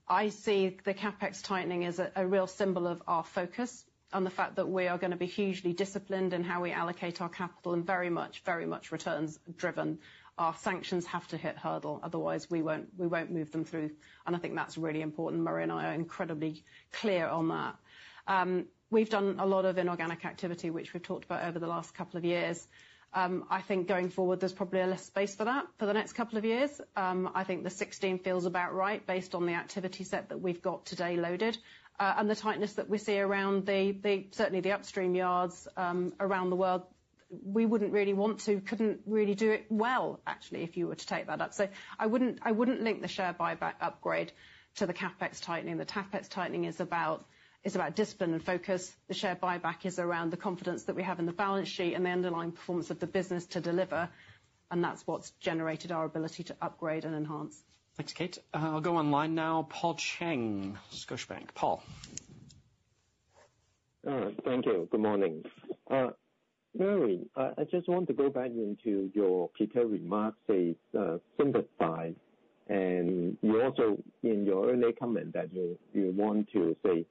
I see the CapEx tightening as a real symbol of our focus on the fact that we are gonna be hugely disciplined in how we allocate our capital, and very much, very much returns driven. Our sanctions have to hit hurdle, otherwise we won't move them through, and I think that's really important. Murray and I are incredibly clear on that. We've done a lot of inorganic activity, which we've talked about over the last couple of years. I think going forward, there's probably less space for that for the next couple of years. I think the 16 feels about right, based on the activity set that we've got today loaded, and the tightness that we see around the certainly the upstream yards around the world. We wouldn't really want to, couldn't really do it well, actually, if you were to take that up. So I wouldn't, I wouldn't link the share buyback upgrade to the CapEx tightening. The CapEx tightening is about, is about discipline and focus. The share buyback is around the confidence that we have in the balance sheet and the underlying performance of the business to deliver, and that's what's generated our ability to upgrade and enhance. Thanks, Kate. I'll go online now. Paul Cheng, Scotiabank. Paul? Thank you. Good morning. Murray, I just want to go back into your prepared remarks, say, simplified, and you also, in your early comment, that you want to say,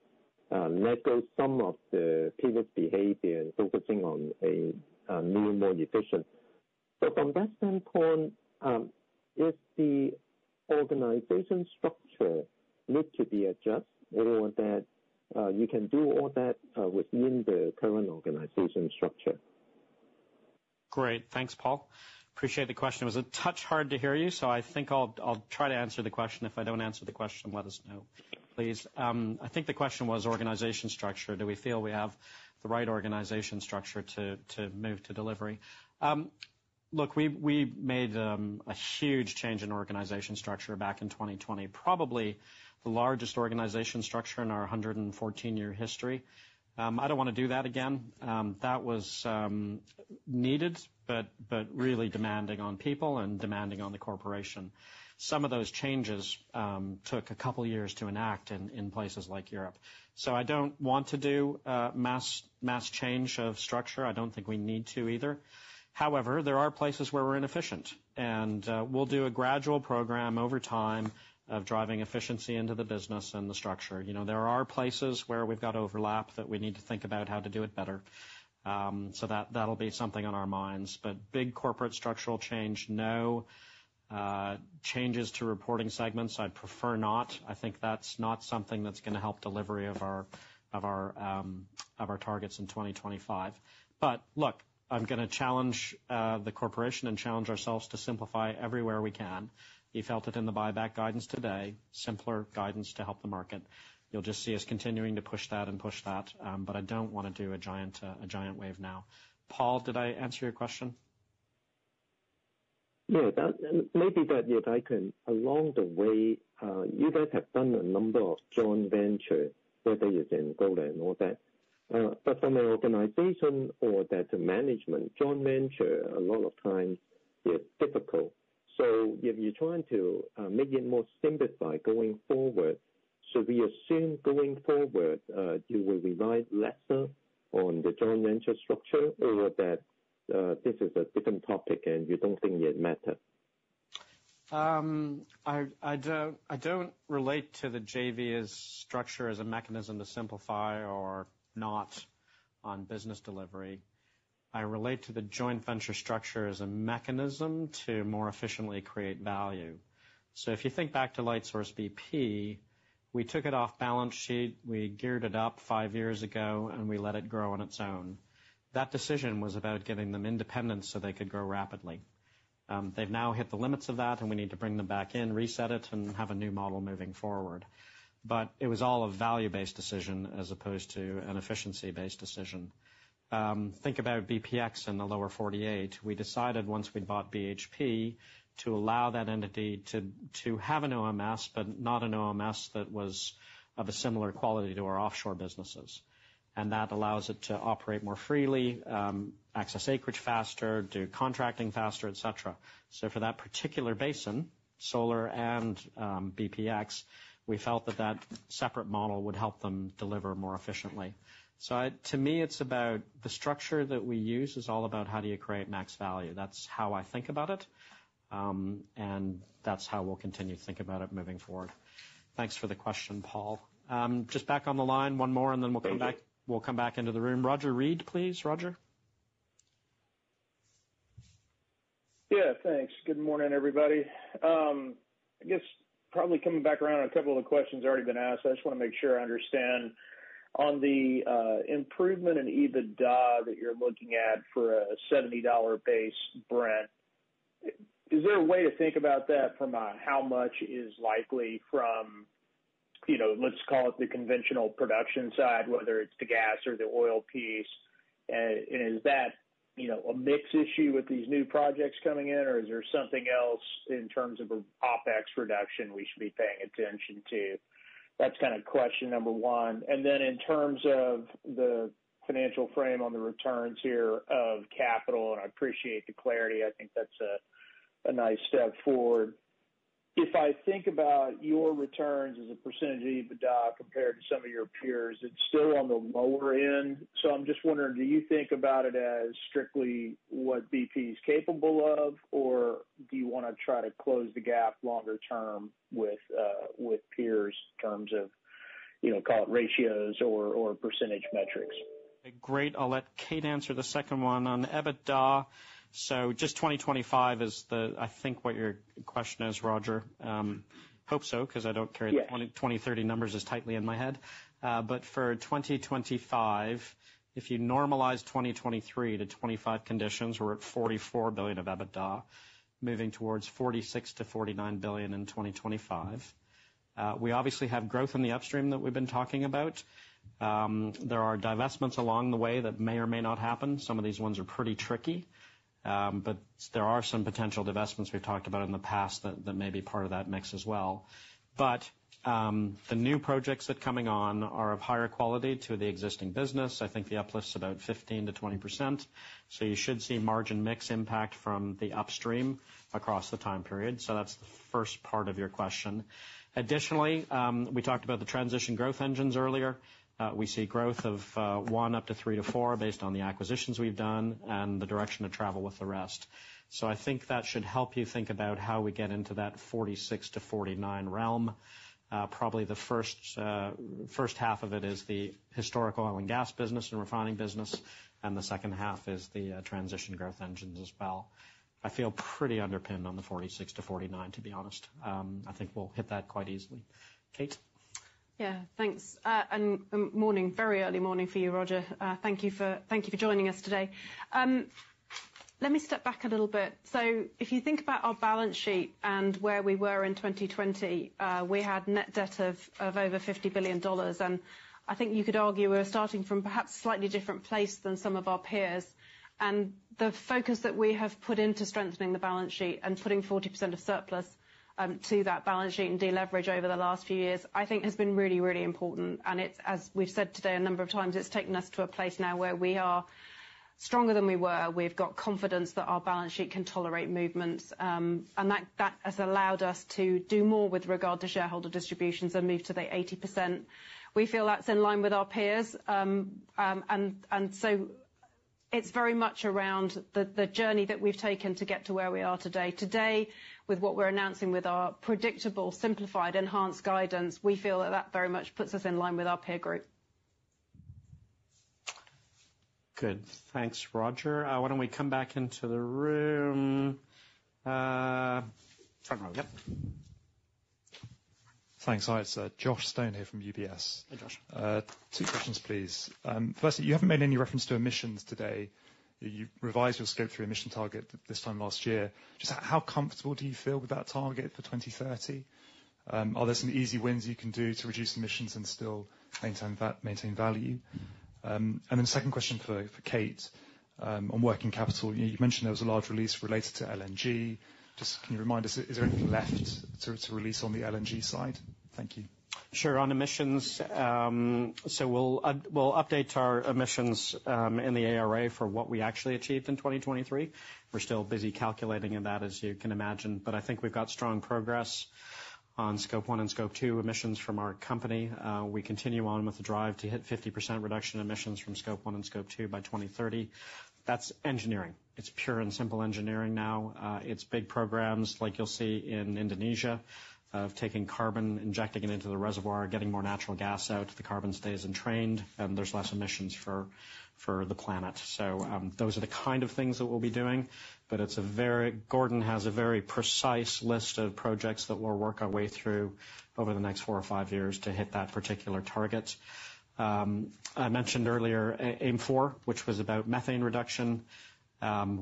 let go some of the previous behavior, focusing on a new modification. So from that standpoint, is the organization structure need to be adjusted or that you can do all that within the current organization structure? Great. Thanks, Paul. Appreciate the question. It was a touch hard to hear you, so I think I'll try to answer the question. If I don't answer the question, let us know, please. I think the question was organization structure. Do we feel we have the right organization structure to move to delivery? Look, we made a huge change in organization structure back in 2020, probably the largest organization structure in our 114-year history. I don't wanna do that again. That was needed, but really demanding on people and demanding on the corporation. Some of those changes took a couple years to enact in places like Europe. So I don't want to do a mass change of structure. I don't think we need to either. However, there are places where we're inefficient, and we'll do a gradual program over time of driving efficiency into the business and the structure. You know, there are places where we've got overlap that we need to think about how to do it better. So that, that'll be something on our minds. But big corporate structural change, no. Changes to reporting segments, I'd prefer not. I think that's not something that's gonna help delivery of our targets in 2025. But look, I'm gonna challenge the corporation and challenge ourselves to simplify everywhere we can. You felt it in the buyback guidance today, simpler guidance to help the market. You'll just see us continuing to push that and push that, but I don't wanna do a giant wave now. Paul, did I answer your question? Yeah, that, maybe that, if I can. Along the way, you guys have done a number of joint venture, whether it's in gold and all that, but from an organization or that management joint venture, a lot of times it's difficult. So if you're trying to make it more simplified going forward, so we assume going forward, you will rely lesser on the joint venture structure or that, this is a different topic and you don't think it matter? I don't relate to the JV as structure, as a mechanism to simplify or not on business delivery. I relate to the joint venture structure as a mechanism to more efficiently create value. So if you think back to Lightsource bp, we took it off balance sheet, we geared it up five years ago, and we let it grow on its own. That decision was about giving them independence so they could grow rapidly. They've now hit the limits of that, and we need to bring them back in, reset it, and have a new model moving forward. But it was all a value-based decision as opposed to an efficiency-based decision. Think about BPX in the Lower 48. We decided once we'd bought BHP to allow that entity to have an OMS, but not an OMS that was of a similar quality to our offshore businesses. And that allows it to operate more freely, access acreage faster, do contracting faster, et cetera. So for that particular basin, solar and BPX, we felt that that separate model would help them deliver more efficiently. So to me, it's about the structure that we use is all about how do you create max value? That's how I think about it, and that's how we'll continue to think about it moving forward. Thanks for the question, Paul. Just back on the line, one more, and then we'll come back- Thank you. We'll come back into the room. Roger Read, please. Roger? Yeah, thanks. Good morning, everybody. I guess probably coming back around on a couple of the questions already been asked, I just wanna make sure I understand. On the improvement in EBITDA that you're looking at for a $70 base Brent, is there a way to think about that from a, how much is likely from, you know, let's call it the conventional production side, whether it's the gas or the oil piece? And is that, you know, a mix issue with these new projects coming in, or is there something else in terms of OpEx reduction we should be paying attention to? That's kind of question number one. And then in terms of the financial frame on the returns here of capital, and I appreciate the clarity, I think that's a nice step forward. ... If I think about your returns as a percentage of EBITDA compared to some of your peers, it's still on the lower end. So I'm just wondering, do you think about it as strictly what BP's capable of? Or do you wanna try to close the gap longer term with, with peers, in terms of, you know, call it ratios or, or percentage metrics? Great. I'll let Kate answer the second one on EBITDA. So just 2025 is the, I think, what your question is, Roger. Hope so, because I don't carry- Yeah The 2030 numbers as tightly in my head. But for 2025, if you normalize 2023 to 2025 conditions, we're at $44 billion of EBITDA, moving towards $46 billion-$49 billion in 2025. We obviously have growth in the upstream that we've been talking about. There are divestments along the way that may or may not happen. Some of these ones are pretty tricky, but there are some potential divestments we've talked about in the past that, that may be part of that mix as well. But, the new projects that coming on are of higher quality to the existing business. I think the uplift's about 15%-20%, so you should see margin mix impact from the upstream across the time period. So that's the first part of your question. Additionally, we talked about the transition growth engines earlier. We see growth of one up to three to four, based on the acquisitions we've done and the direction of travel with the rest. So I think that should help you think about how we get into that 46-49 realm. Probably the first half of it is the historical oil and gas business and refining business, and the second half is the transition growth engines as well. I feel pretty underpinned on the 46-49, to be honest. I think we'll hit that quite easily. Kate? Yeah, thanks. Morning, very early morning for you, Roger. Thank you for, thank you for joining us today. Let me step back a little bit. So if you think about our balance sheet and where we were in 2020, we had net debt of, of over $50 billion, and I think you could argue we were starting from perhaps a slightly different place than some of our peers. The focus that we have put into strengthening the balance sheet and putting 40% of surplus to that balance sheet and deleverage over the last few years, I think has been really, really important. It's, as we've said today, a number of times, it's taken us to a place now where we are stronger than we were. We've got confidence that our balance sheet can tolerate movements, and that has allowed us to do more with regard to shareholder distributions and move to the 80%. We feel that's in line with our peers, and so it's very much around the journey that we've taken to get to where we are today. Today, with what we're announcing with our predictable, simplified, enhanced guidance, we feel that that very much puts us in line with our peer group. Good. Thanks, Roger. Why don't we come back into the room? Front row. Yep. Thanks. Hi, it's Josh Stone here from UBS. Hey, Josh. Two questions, please. Firstly, you haven't made any reference to emissions today. You revised your scope three emissions target this time last year. Just how comfortable do you feel with that target for 2030? Are there some easy wins you can do to reduce emissions and still maintain value? And then second question for Kate. On working capital, you mentioned there was a large release related to LNG. Just can you remind us, is there anything left to release on the LNG side? Thank you. Sure, on emissions, so we'll update our emissions in the ARA for what we actually achieved in 2023. We're still busy calculating in that, as you can imagine, but I think we've got strong progress on Scope 1 and Scope 2 emissions from our company. We continue on with the drive to hit 50% reduction emissions from Scope 1 and Scope 2 by 2030. That's engineering. It's pure and simple engineering now. It's big programs like you'll see in Indonesia, of taking carbon, injecting it into the reservoir, getting more natural gas out. The carbon stays entrained, and there's less emissions for the planet. So, those are the kind of things that we'll be doing, but it's very—Gordon has a very precise list of projects that we'll work our way through over the next four or five years to hit that particular target. I mentioned earlier, Aim 4, which was about methane reduction.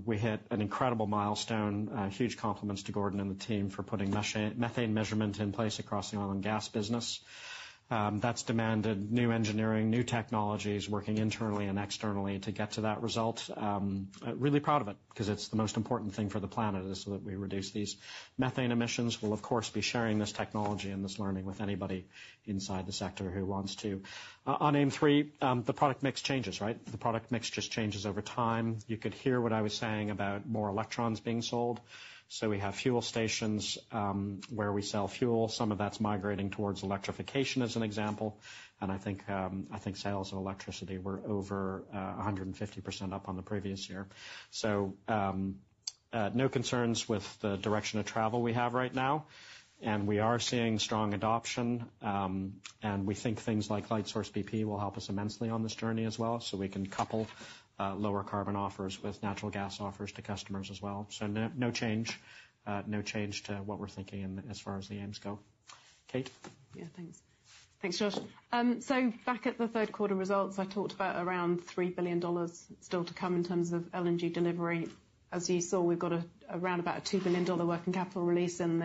We hit an incredible milestone. Huge compliments to Gordon and the team for putting methane measurement in place across the oil and gas business. That's demanded new engineering, new technologies, working internally and externally to get to that result. Really proud of it, because it's the most important thing for the planet, is so that we reduce these methane emissions. We'll, of course, be sharing this technology and this learning with anybody inside the sector who wants to. On Aim 3, the product mix changes, right? The product mix just changes over time. You could hear what I was saying about more electrons being sold. So we have fuel stations where we sell fuel. Some of that's migrating towards electrification, as an example, and I think I think sales and electricity were over 150% up on the previous year. So no concerns with the direction of travel we have right now, and we are seeing strong adoption, and we think things like Lightsource bp will help us immensely on this journey as well, so we can couple lower carbon offers with natural gas offers to customers as well. So no, no change, no change to what we're thinking in as far as the aims go. Kate? Yeah, thanks. Thanks, Josh. So back at the third quarter results, I talked about around $3 billion still to come in terms of LNG delivery. As you saw, we've got around about a $2 billion working capital release in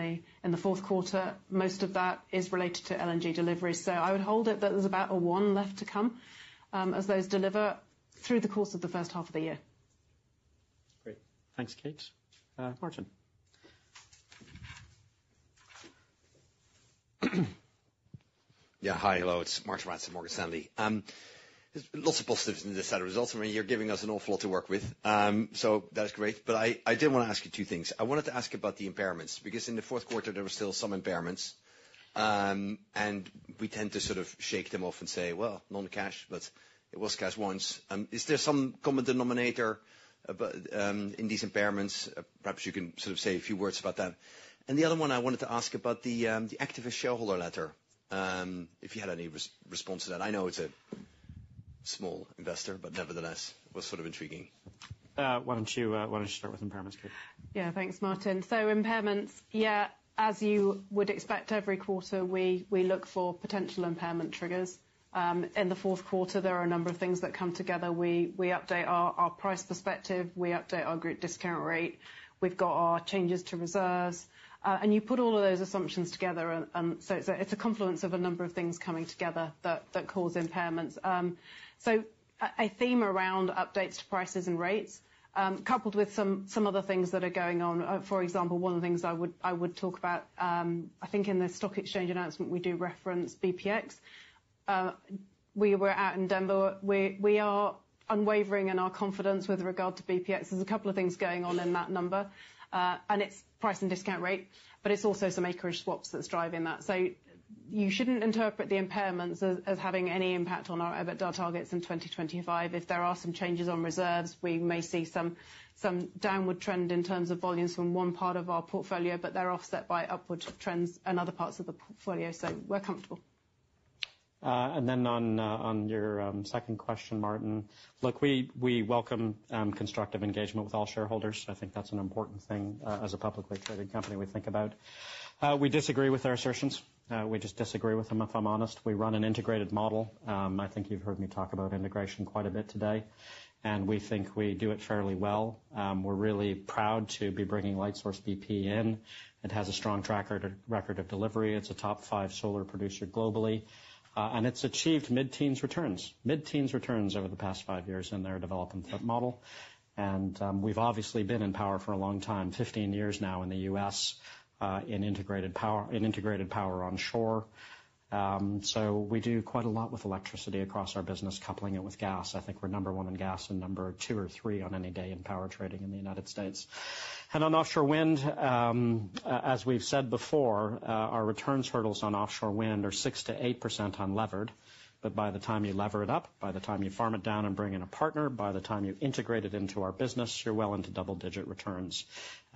the fourth quarter. Most of that is related to LNG delivery. So I would hold it that there's about a $1 billion left to come, as those deliver through the course of the first half of the year. Great. Thanks, Kate. Martin? Yeah. Hi, hello, it's Martijn Rats, Morgan Stanley. There's lots of positives in this set of results. I mean, you're giving us an awful lot to work with. So that is great. But I did want to ask you two things. I wanted to ask about the impairments, because in the fourth quarter, there were still some impairments. And we tend to sort of shake them off and say, "Well, non-cash," but it was cash once. Is there some common denominator in these impairments? Perhaps you can sort of say a few words about that. And the other one, I wanted to ask about the activist shareholder letter, if you had any response to that. I know it's a small investor, but nevertheless, it was sort of intriguing. Why don't you start with impairments, Kate? Yeah, thanks, Martin. So impairments, yeah, as you would expect, every quarter, we look for potential impairment triggers. In the fourth quarter, there are a number of things that come together. We update our price perspective, we update our group discount rate, we've got our changes to reserves. And you put all of those assumptions together, and so it's a confluence of a number of things coming together that cause impairments. So a theme around updates to prices and rates, coupled with some other things that are going on. For example, one of the things I would talk about, I think in the stock exchange announcement, we do reference BPX. We were out in Denver. We are unwavering in our confidence with regard to BPX. There's a couple of things going on in that number, and it's price and discount rate, but it's also some acreage swaps that's driving that. So you shouldn't interpret the impairments as having any impact on our EBITDA targets in 2025. If there are some changes on reserves, we may see some downward trend in terms of volumes from one part of our portfolio, but they're offset by upward trends in other parts of the portfolio, so we're comfortable. And then on your second question, Martin. Look, we welcome constructive engagement with all shareholders. I think that's an important thing, as a publicly traded company, we think about. We disagree with their assertions. We just disagree with them, if I'm honest. We run an integrated model. I think you've heard me talk about integration quite a bit today, and we think we do it fairly well. We're really proud to be bringing Lightsource bp in. It has a strong track record of delivery. It's a top 5 solar producer globally. And it's achieved mid-teens returns, mid-teens returns over the past 5 years in their development model. And we've obviously been in power for a long time, 15 years now in the U.S., in integrated power, in integrated power onshore. So we do quite a lot with electricity across our business, coupling it with gas. I think we're number one in gas and number two or three on any day in power trading in the United States. And on offshore wind, as we've said before, our returns hurdles on offshore wind are 6%-8% unlevered. But by the time you lever it up, by the time you farm it down and bring in a partner, by the time you integrate it into our business, you're well into double-digit returns,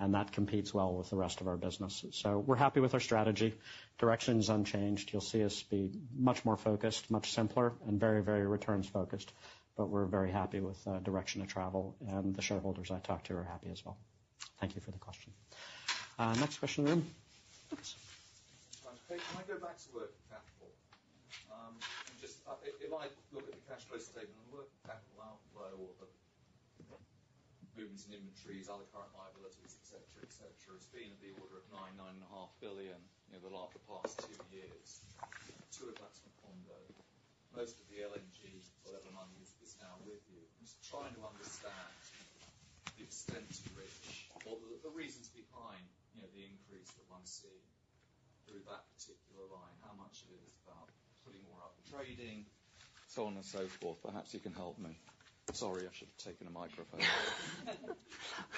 and that competes well with the rest of our business. So we're happy with our strategy. Direction's unchanged. You'll see us be much more focused, much simpler, and very, very returns-focused. But we're very happy with direction of travel, and the shareholders I talk to are happy as well. Thank you for the question. Next question in. Oops! Can I go back to working capital? Just, if I look at the cash flow statement and working capital outflow of movements in inventories, other current liabilities, et cetera, et cetera, it's been of the order of $9-$9.5 billion over the past two years. Two of that's Macondo. Most of the LNG, whatever money, is now with you. I'm just trying to understand the extent to which, or the reasons behind, you know, the increase that one's seeing through that particular line, how much of it is about putting more up and trading, so on and so forth. Perhaps you can help me. Sorry, I should have taken a microphone.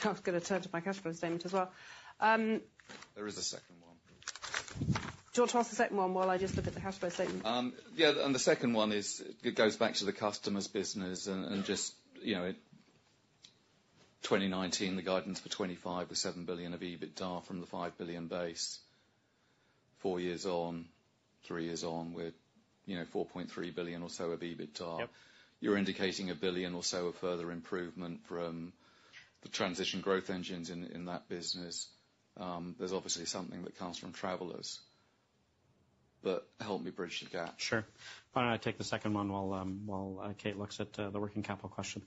I was gonna turn to my cash flow statement as well. There is a second one. Do you want to ask the second one while I just look at the cash flow statement? Yeah, and the second one is, it goes back to the customers' business and, and just, you know, in 2019, the guidance for 2025 was $7 billion of EBITDA from the $5 billion base. Four years on, three years on, we're, you know, $4.3 billion or so of EBITDA. Yep. You're indicating $1 billion or so of further improvement from the Transition Growth Engines in that business. There's obviously something that comes from Travelers, but help me bridge the gap. Sure. Why don't I take the second one while Kate looks at the working capital question?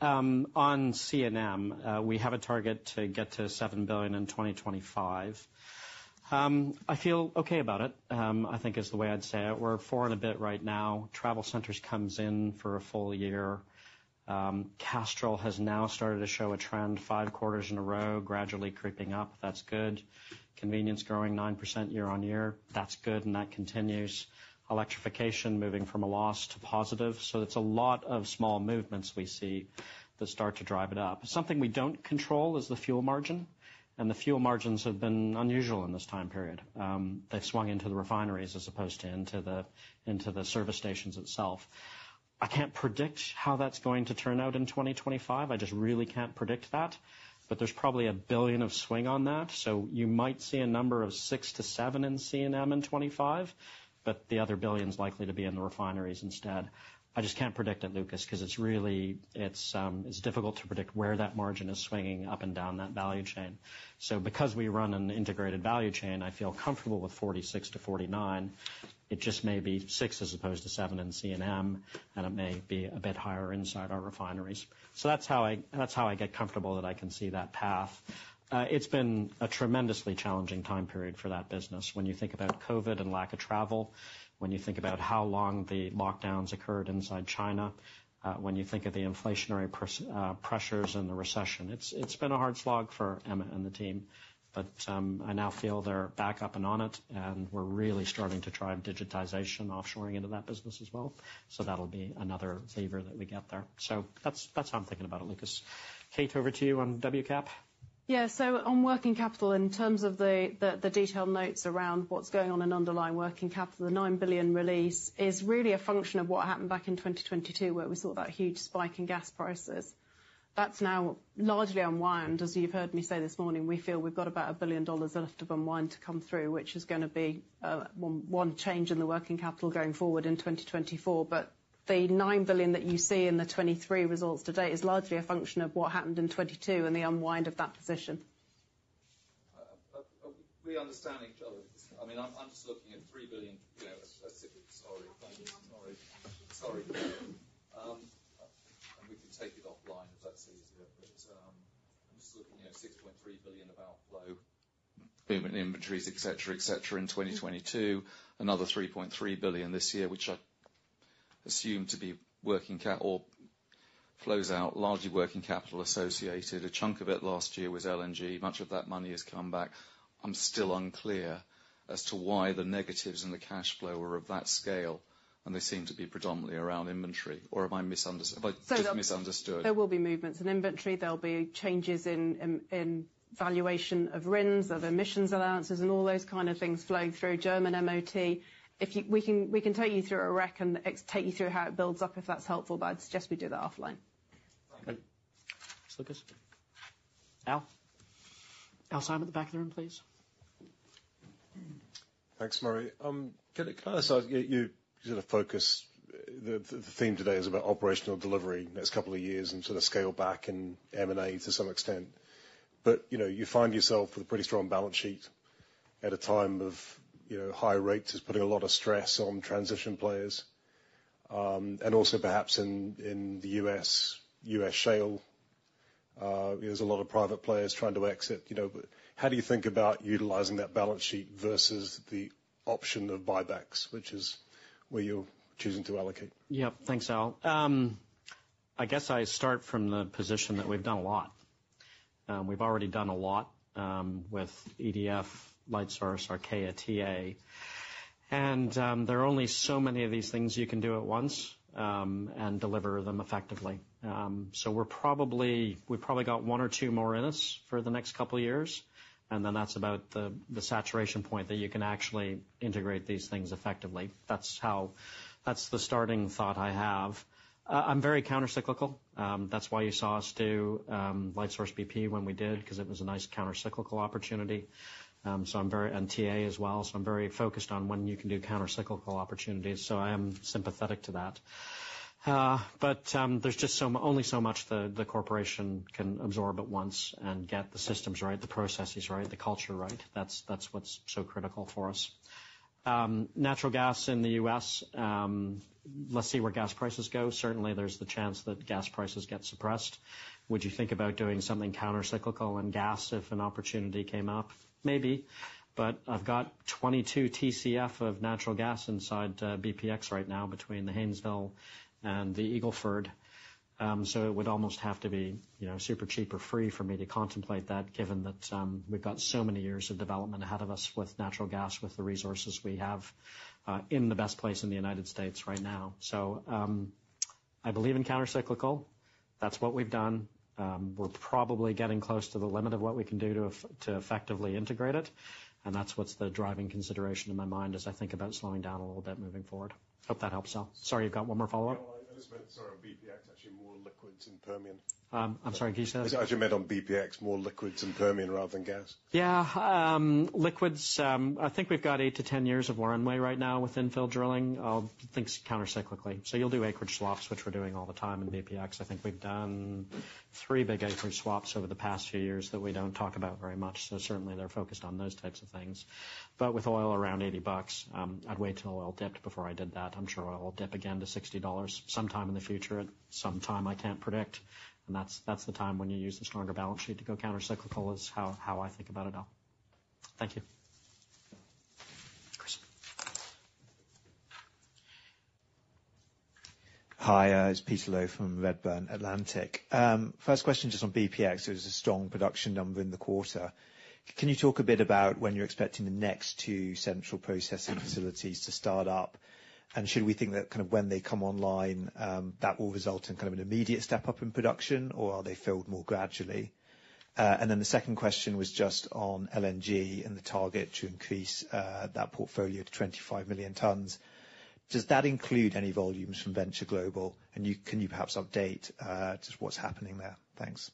On C&M, we have a target to get to $7 billion in 2025. I feel okay about it. I think is the way I'd say it. We're $4 billion and a bit right now. TravelCenters comes in for a full year. Castrol has now started to show a trend 5 quarters in a row, gradually creeping up. That's good. Convenience growing 9% year-on-year. That's good, and that continues. Electrification, moving from a loss to positive. So it's a lot of small movements we see that start to drive it up. Something we don't control is the fuel margin, and the fuel margins have been unusual in this time period. They've swung into the refineries as opposed to into the service stations itself. I can't predict how that's going to turn out in 2025. I just really can't predict that. But there's probably $1 billion of swing on that, so you might see a number of 6-7 in C&M in 2025, but the other $1 billion's likely to be in the refineries instead. I just can't predict it, Lucas, 'cause it's really... It's, it's difficult to predict where that margin is swinging up and down that value chain. So because we run an integrated value chain, I feel comfortable with 46-49. It just may be 6 as opposed to 7 in C&M, and it may be a bit higher inside our refineries. So that's how I, that's how I get comfortable that I can see that path. It's been a tremendously challenging time period for that business. When you think about Covid and lack of travel, when you think about how long the lockdowns occurred inside China, when you think of the inflationary pressures and the recession, it's been a hard slog for Emma and the team. But I now feel they're back up and on it, and we're really starting to drive digitization, offshoring into that business as well. So that'll be another lever that we get there. So that's how I'm thinking about it, Lucas. Kate, over to you on working capital.... Yeah, so on working capital, in terms of the detailed notes around what's going on in underlying working capital, the $9 billion release is really a function of what happened back in 2022, where we saw that huge spike in gas prices. That's now largely unwind. As you've heard me say this morning, we feel we've got about $1 billion left of unwind to come through, which is gonna be one change in the working capital going forward in 2024. But the $9 billion that you see in the 2023 results today is largely a function of what happened in 2022 and the unwind of that position. We understand each other. I mean, I'm just looking at $3 billion, you know, specifically, sorry, sorry, sorry. And we can take it offline if that's easier. But, I'm just looking at $6.3 billion of outflow, movement inventories, et cetera, et cetera, in 2022. Another $3.3 billion this year, which I assume to be working cap or flows out, largely working capital associated. A chunk of it last year was LNG. Much of that money has come back. I'm still unclear as to why the negatives in the cash flow were of that scale, and they seem to be predominantly around inventory, or am I misunderstanding? I just misunderstood? There will be movements in inventory. There'll be changes in valuation of RINs, of emissions allowances, and all those kind of things flowing through German MOT. If you, we can take you through a rec, and take you through how it builds up, if that's helpful, but I'd suggest we do that offline. Okay. Lucas? Al? Alastair Syme at the back of the room, please. Thanks, Murray. Can I just ask you, you sort of focus the theme today is about operational delivery next couple of years and sort of scale back and M&A to some extent. But, you know, you find yourself with a pretty strong balance sheet at a time of, you know, high rates is putting a lot of stress on transition players, and also perhaps in the U.S. shale, there's a lot of private players trying to exit. You know, but how do you think about utilizing that balance sheet versus the option of buybacks, which is where you're choosing to allocate? Yeah. Thanks, Al. I guess I start from the position that we've done a lot. We've already done a lot, with EDF, Lightsource bp, Archaea, TA. And, there are only so many of these things you can do at once, and deliver them effectively. So we're probably, we've probably got one or two more in us for the next couple of years, and then that's about the saturation point that you can actually integrate these things effectively. That's how... That's the starting thought I have. I'm very countercyclical. That's why you saw us do, Lightsource bp when we did, because it was a nice countercyclical opportunity. So I'm very, and TA as well, so I'm very focused on when you can do countercyclical opportunities. So I am sympathetic to that. But, there's just so, only so much the, the corporation can absorb at once and get the systems right, the processes right, the culture right. That's, that's what's so critical for us. Natural gas in the U.S., let's see where gas prices go. Certainly, there's the chance that gas prices get suppressed. Would you think about doing something countercyclical in gas if an opportunity came up? Maybe, but I've got 22 TCF of natural gas inside, BPX right now between the Haynesville and the Eagle Ford. So it would almost have to be, you know, super cheap or free for me to contemplate that, given that, we've got so many years of development ahead of us with natural gas, with the resources we have, in the best place in the United States right now. So, I believe in countercyclical. That's what we've done. We're probably getting close to the limit of what we can do to effectively integrate it, and that's what's the driving consideration in my mind as I think about slowing down a little bit moving forward. Hope that helps, Al. Sorry, you've got one more follow-up? Yeah, I just meant, sorry, on BPX, actually more liquids in Permian. I'm sorry, can you say that again? As you meant on BPX, more liquids in Permian rather than gas. Yeah. Liquids, I think we've got 8-10 years of runway right now with infill drilling. I'll think countercyclically. So you'll do acreage swaps, which we're doing all the time in BPX. I think we've done 3 big acreage swaps over the past few years that we don't talk about very much, so certainly they're focused on those types of things. But with oil around $80, I'd wait till oil dipped before I did that. I'm sure oil will dip again to $60 sometime in the future, at some time I can't predict, and that's, that's the time when you use the stronger balance sheet to go countercyclical, is how, how I think about it all. Thank you. Chris. Hi, it's Peter Low from Redburn Atlantic. First question, just on BPX, it was a strong production number in the quarter. Can you talk a bit about when you're expecting the next two central processing facilities to start up? And should we think that kind of when they come online, that will result in kind of an immediate step up in production, or are they filled more gradually? And then the second question was just on LNG and the target to increase that portfolio to 25 million tons. Does that include any volumes from Venture Global? And can you perhaps update just what's happening there? Thanks.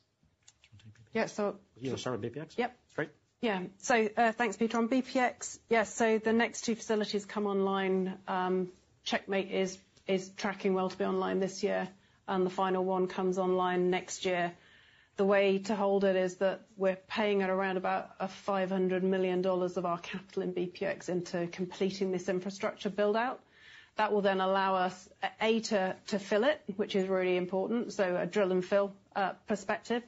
Yeah, so- You want to start on BPX? Yep. Great. Yeah. So, thanks, Peter. On BPX, yes, so the next two facilities come online. Checkmate is tracking well to be online this year, and the final one comes online next year. The way to hold it is that we're paying at around about $500 million of our capital in BPX into completing this infrastructure build-out. That will then allow us, A, to fill it, which is really important, so a drill and fill perspective.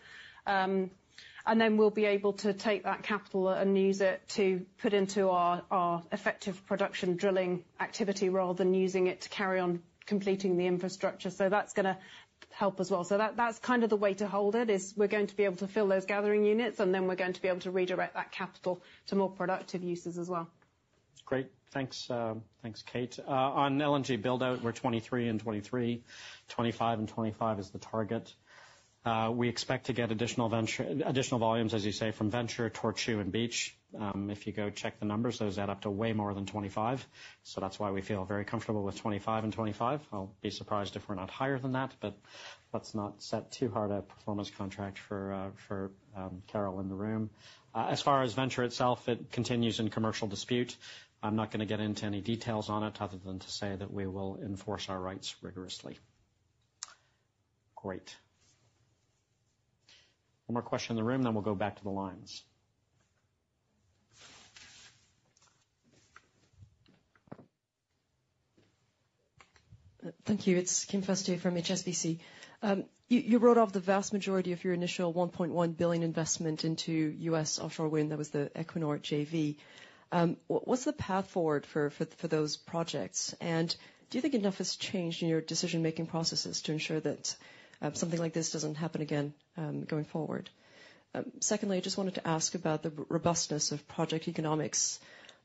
And then we'll be able to take that capital and use it to put into our effective production drilling activity, rather than using it to carry on completing the infrastructure. So that's gonna help as well. So that, that's kind of the way to hold it, is we're going to be able to fill those gathering units, and then we're going to be able to redirect that capital to more productive uses as well.... Great. Thanks, thanks, Kate. On LNG build-out, we're 23 and 23, 25 and 25 is the target. We expect to get additional volumes, as you say, from Venture, Tortue, and Beach. If you go check the numbers, those add up to way more than 25, so that's why we feel very comfortable with 25 and 25. I'll be surprised if we're not higher than that, but let's not set too hard a performance contract for, for, Carol in the room. As far as Venture itself, it continues in commercial dispute. I'm not gonna get into any details on it, other than to say that we will enforce our rights rigorously. Great. One more question in the room, then we'll go back to the lines. Thank you. It's Kim Fustier from HSBC. You wrote off the vast majority of your initial $1.1 billion investment into US offshore wind. That was the Equinor JV. What's the path forward for those projects? And do you think enough has changed in your decision-making processes to ensure that something like this doesn't happen again going forward? Secondly, I just wanted to ask about the robustness of project economics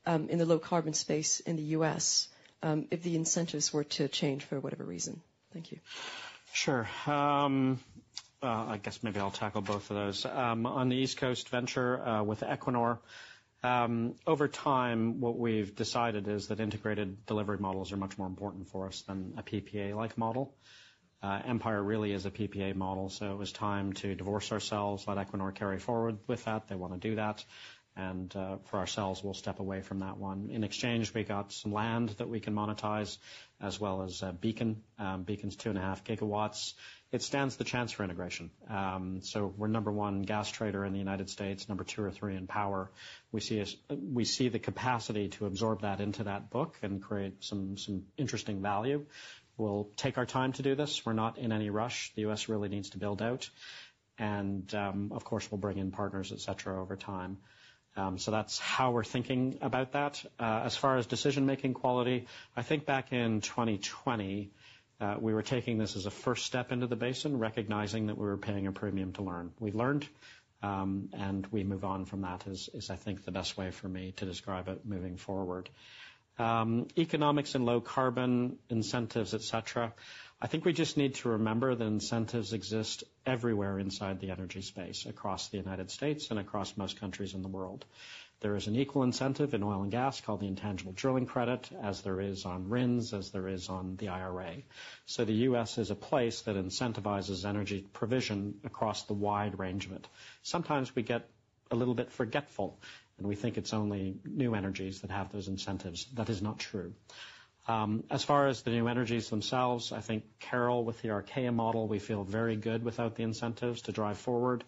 in the low-carbon space in the US if the incentives were to change for whatever reason. Thank you. Sure. I guess maybe I'll tackle both of those. On the East Coast Venture with Equinor, over time, what we've decided is that integrated delivery models are much more important for us than a PPA-like model. Empire really is a PPA model, so it was time to divorce ourselves, let Equinor carry forward with that. They wanna do that, and for ourselves, we'll step away from that one. In exchange, we got some land that we can monetize, as well as Beacon. Beacon's 2.5 gigawatts. It stands the chance for integration. So we're number one gas trader in the United States, number two or three in power. We see the capacity to absorb that into that book and create some interesting value. We'll take our time to do this. We're not in any rush. The US really needs to build out, and, of course, we'll bring in partners, et cetera, over time. So that's how we're thinking about that. As far as decision-making quality, I think back in 2020, we were taking this as a first step into the basin, recognizing that we were paying a premium to learn. We've learned, and we move on from that, is I think the best way for me to describe it moving forward. Economics and low carbon incentives, et cetera, I think we just need to remember that incentives exist everywhere inside the energy space, across the United States and across most countries in the world. There is an equal incentive in oil and gas, called the intangible drilling credit, as there is on RINs, as there is on the IRA. So the US is a place that incentivizes energy provision across the wide range of it. Sometimes we get a little bit forgetful, and we think it's only new energies that have those incentives. That is not true. As far as the new energies themselves, I think Carol, with the Archaea model, we feel very good without the incentives to drive forward,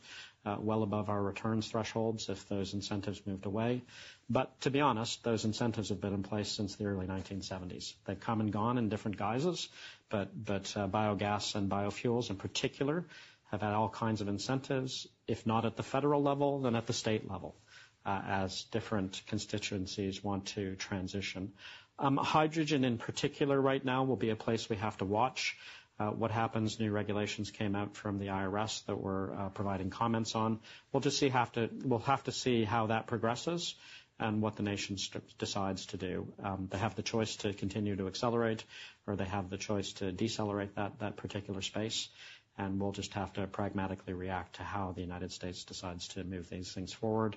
well above our returns thresholds if those incentives moved away. But to be honest, those incentives have been in place since the early 1970s. They've come and gone in different guises, but biogas and biofuels in particular, have had all kinds of incentives, if not at the federal level, then at the state level, as different constituencies want to transition. Hydrogen in particular right now, will be a place we have to watch, what happens. New regulations came out from the IRS that we're providing comments on. We'll just see—we'll have to see how that progresses and what the nation decides to do. They have the choice to continue to accelerate, or they have the choice to decelerate that particular space, and we'll just have to pragmatically react to how the United States decides to move these things forward.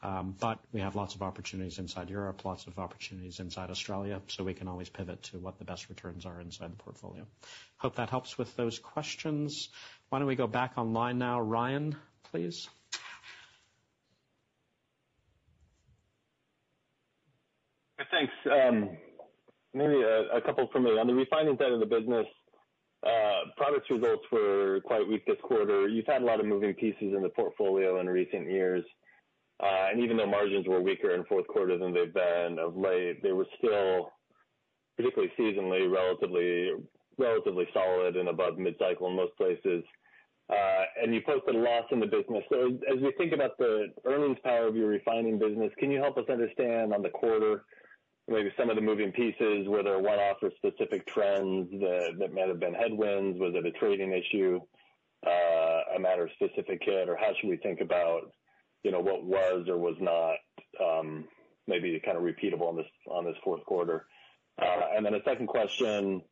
But we have lots of opportunities inside Europe, lots of opportunities inside Australia, so we can always pivot to what the best returns are inside the portfolio. Hope that helps with those questions. Why don't we go back online now? Ryan, please. Thanks. Maybe a couple for me. On the refining side of the business, products results were quite weak this quarter. You've had a lot of moving pieces in the portfolio in recent years, and even though margins were weaker in fourth quarter than they've been of late, they were still particularly seasonally, relatively solid and above mid-cycle in most places. And you folks had loss in the business. So as we think about the earnings power of your refining business, can you help us understand on the quarter, maybe some of the moving pieces, were there a one-off or specific trends that might have been headwinds? Was it a trading issue, a matter of specific hit, or how should we think about, you know, what was or was not, maybe kind of repeatable on this fourth quarter? And then a second question,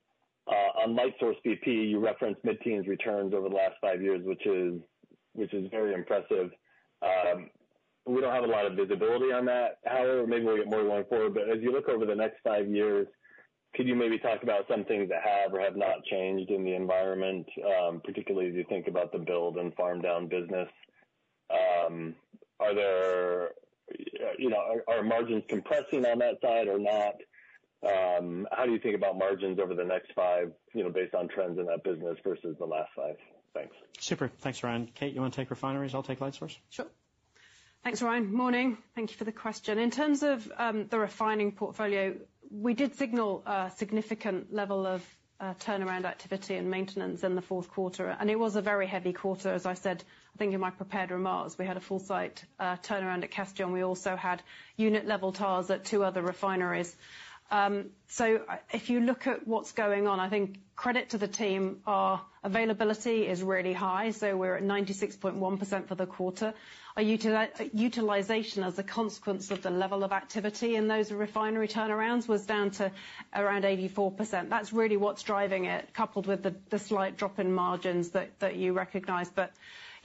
on Lightsource bp, you referenced mid-teens returns over the last five years, which is, which is very impressive. We don't have a lot of visibility on that, however, maybe we'll get more going forward. But as you look over the next five years, could you maybe talk about some things that have or have not changed in the environment, particularly as you think about the build and farm down business? Are there, you know, are, are margins compressing on that side or not? How do you think about margins over the next five, you know, based on trends in that business versus the last five? Thanks. Super. Thanks, Ryan. Kate, you want to take refineries? I'll take Lightsource. Sure.... Thanks, Ryan. Morning. Thank you for the question. In terms of the refining portfolio, we did signal a significant level of turnaround activity and maintenance in the fourth quarter, and it was a very heavy quarter. As I said, I think in my prepared remarks, we had a full site turnaround at Castellón. We also had unit-level turnarounds at two other refineries. So if you look at what's going on, I think credit to the team, our availability is really high, so we're at 96.1% for the quarter. Our utilization as a consequence of the level of activity in those refinery turnarounds was down to around 84%. That's really what's driving it, coupled with the slight drop in margins that you recognize. But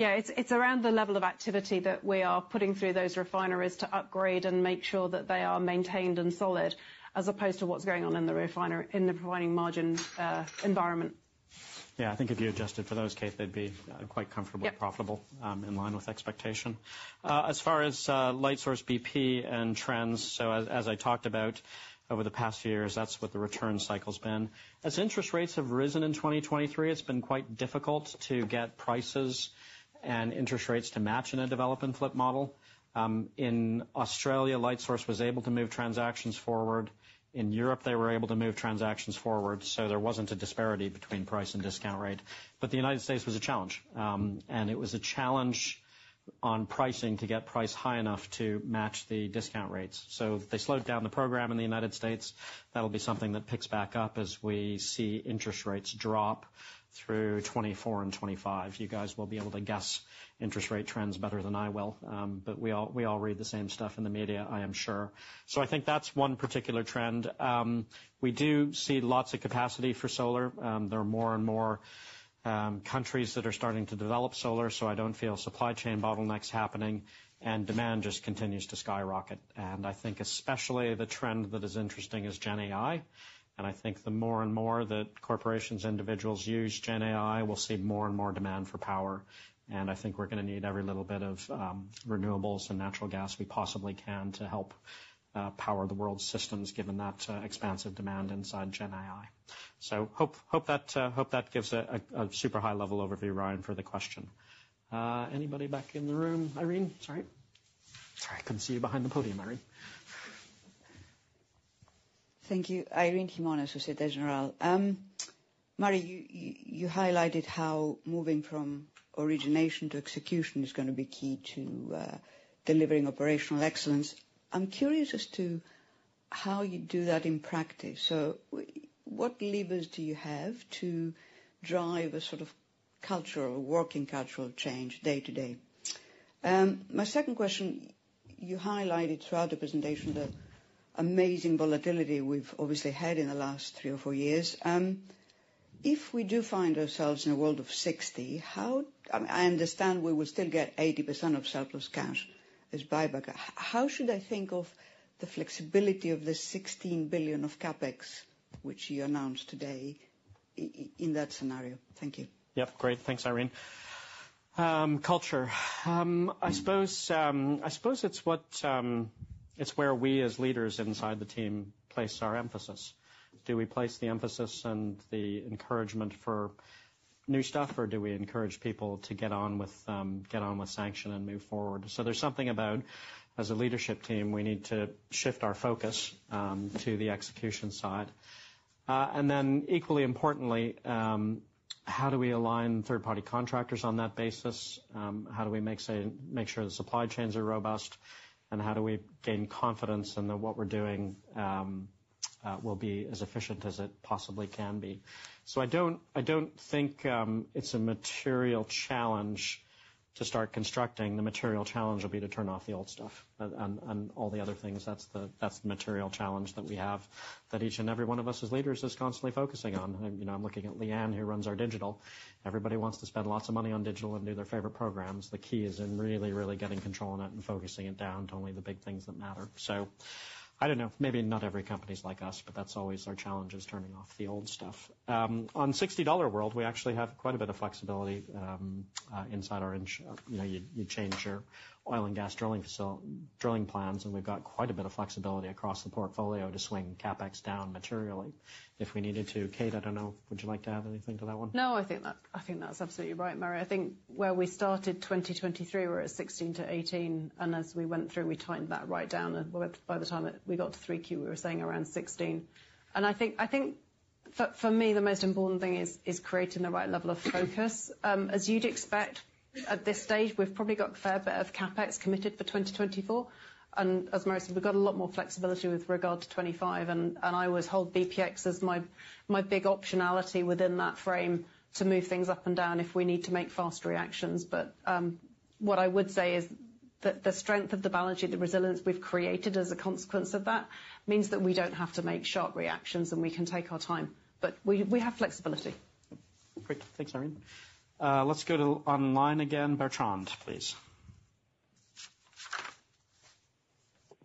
yeah, it's around the level of activity that we are putting through those refineries to upgrade and make sure that they are maintained and solid, as opposed to what's going on in the refiner, in the refining margin environment. Yeah, I think if you adjusted for those, Kate, they'd be quite comfortably- Yep... profitable, in line with expectation. As far as, Lightsource bp and trends. So as, as I talked about over the past years, that's what the return cycle's been. As interest rates have risen in 2023, it's been quite difficult to get prices and interest rates to match in a develop and flip model. In Australia, Lightsource bp was able to move transactions forward. In Europe, they were able to move transactions forward, so there wasn't a disparity between price and discount rate. But the United States was a challenge, and it was a challenge on pricing to get price high enough to match the discount rates. So they slowed down the program in the United States. That'll be something that picks back up as we see interest rates drop through 2024 and 2025. You guys will be able to guess interest rate trends better than I will, but we all, we all read the same stuff in the media, I am sure. So I think that's one particular trend. We do see lots of capacity for solar. There are more and more countries that are starting to develop solar, so I don't feel supply chain bottlenecks happening, and demand just continues to skyrocket. And I think especially the trend that is interesting is GenAI, and I think the more and more that corporations, individuals use GenAI, we'll see more and more demand for power, and I think we're gonna need every little bit of renewables and natural gas we possibly can to help power the world's systems, given that expansive demand inside GenAI. So hope that gives a super high-level overview, Ryan, for the question. Anybody back in the room? Irene, sorry. Sorry, I couldn't see you behind the podium, Irene. Thank you. Irene Himona, Société Générale. Murray, you, you highlighted how moving from origination to execution is gonna be key to delivering operational excellence. I'm curious as to how you do that in practice. So what levers do you have to drive a sort of cultural, working cultural change day to day? My second question, you highlighted throughout the presentation the amazing volatility we've obviously had in the last three or four years. If we do find ourselves in a world of 60, how. I understand we will still get 80% of surplus cash as buyback. How should I think of the flexibility of the $16 billion of CapEx, which you announced today, in that scenario? Thank you. Yep, great. Thanks, Irene. Culture. I suppose, I suppose it's what, it's where we as leaders inside the team place our emphasis. Do we place the emphasis and the encouragement for new stuff, or do we encourage people to get on with, get on with sanction and move forward? So there's something about, as a leadership team, we need to shift our focus, to the execution side. And then equally importantly, how do we align third-party contractors on that basis? How do we make certain, make sure the supply chains are robust, and how do we gain confidence in that what we're doing, will be as efficient as it possibly can be? So I don't, I don't think, it's a material challenge to start constructing. The material challenge will be to turn off the old stuff and all the other things. That's the material challenge that we have, that each and every one of us as leaders is constantly focusing on. You know, I'm looking at Leigh-Ann, who runs our digital. Everybody wants to spend lots of money on digital and do their favorite programs. The key is in really, really getting control on it and focusing it down to only the big things that matter. So I don't know, maybe not every company is like us, but that's always our challenge, is turning off the old stuff. On $60 world, we actually have quite a bit of flexibility inside our inch. You know, you change your oil and gas drilling plans, and we've got quite a bit of flexibility across the portfolio to swing CapEx down materially if we needed to. Kate, I don't know, would you like to add anything to that one? No, I think that, I think that's absolutely right, Murray. I think where we started 2023, we're at 16-18, and as we went through, we tightened that right down. And by the time we got to 3Q, we were saying around 16. And I think, I think for, for me, the most important thing is, is creating the right level of focus. As you'd expect, at this stage, we've probably got a fair bit of CapEx committed for 2024, and as Murray said, we've got a lot more flexibility with regard to 2025. And, and I always hold BPX as my, my big optionality within that frame to move things up and down if we need to make fast reactions. What I would say is that the strength of the balance sheet, the resilience we've created as a consequence of that, means that we don't have to make sharp reactions, and we can take our time. But we have flexibility. Great. Thanks, Irene. Let's go to online again. Bertrand, please.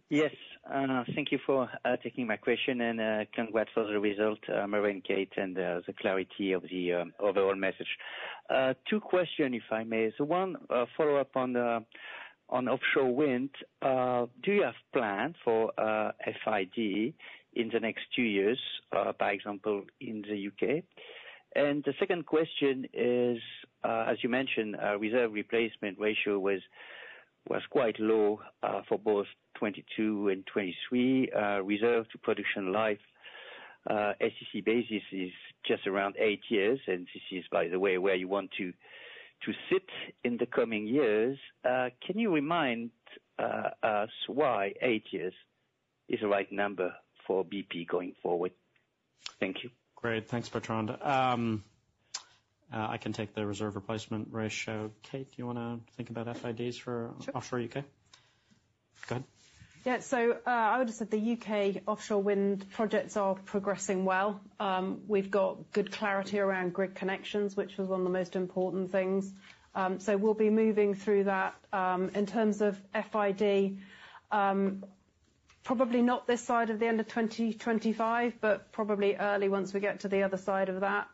Yes, and thank you for taking my question, and congrats for the result, Murray and Kate, and the clarity of the overall message. Two question, if I may. So one, follow-up on the on offshore wind. Do you have plans for FID in the next two years, by example, in the UK? And the second question is, as you mentioned, our reserve replacement ratio was quite low for both 2022 and 2023. Reserve to production life, SEC basis is just around eight years, and this is, by the way, where you want to sit in the coming years. Can you remind us why eight years is the right number for BP going forward? Thank you. Great, thanks, Bertrand. I can take the reserve replacement ratio. Kate, do you wanna think about FIDs for- Sure. Offshore U.K.? Go ahead. Yeah. So, I would just say the UK offshore wind projects are progressing well. We've got good clarity around grid connections, which was one of the most important things. So we'll be moving through that. In terms of FID, probably not this side of the end of 2025, but probably early once we get to the other side of that.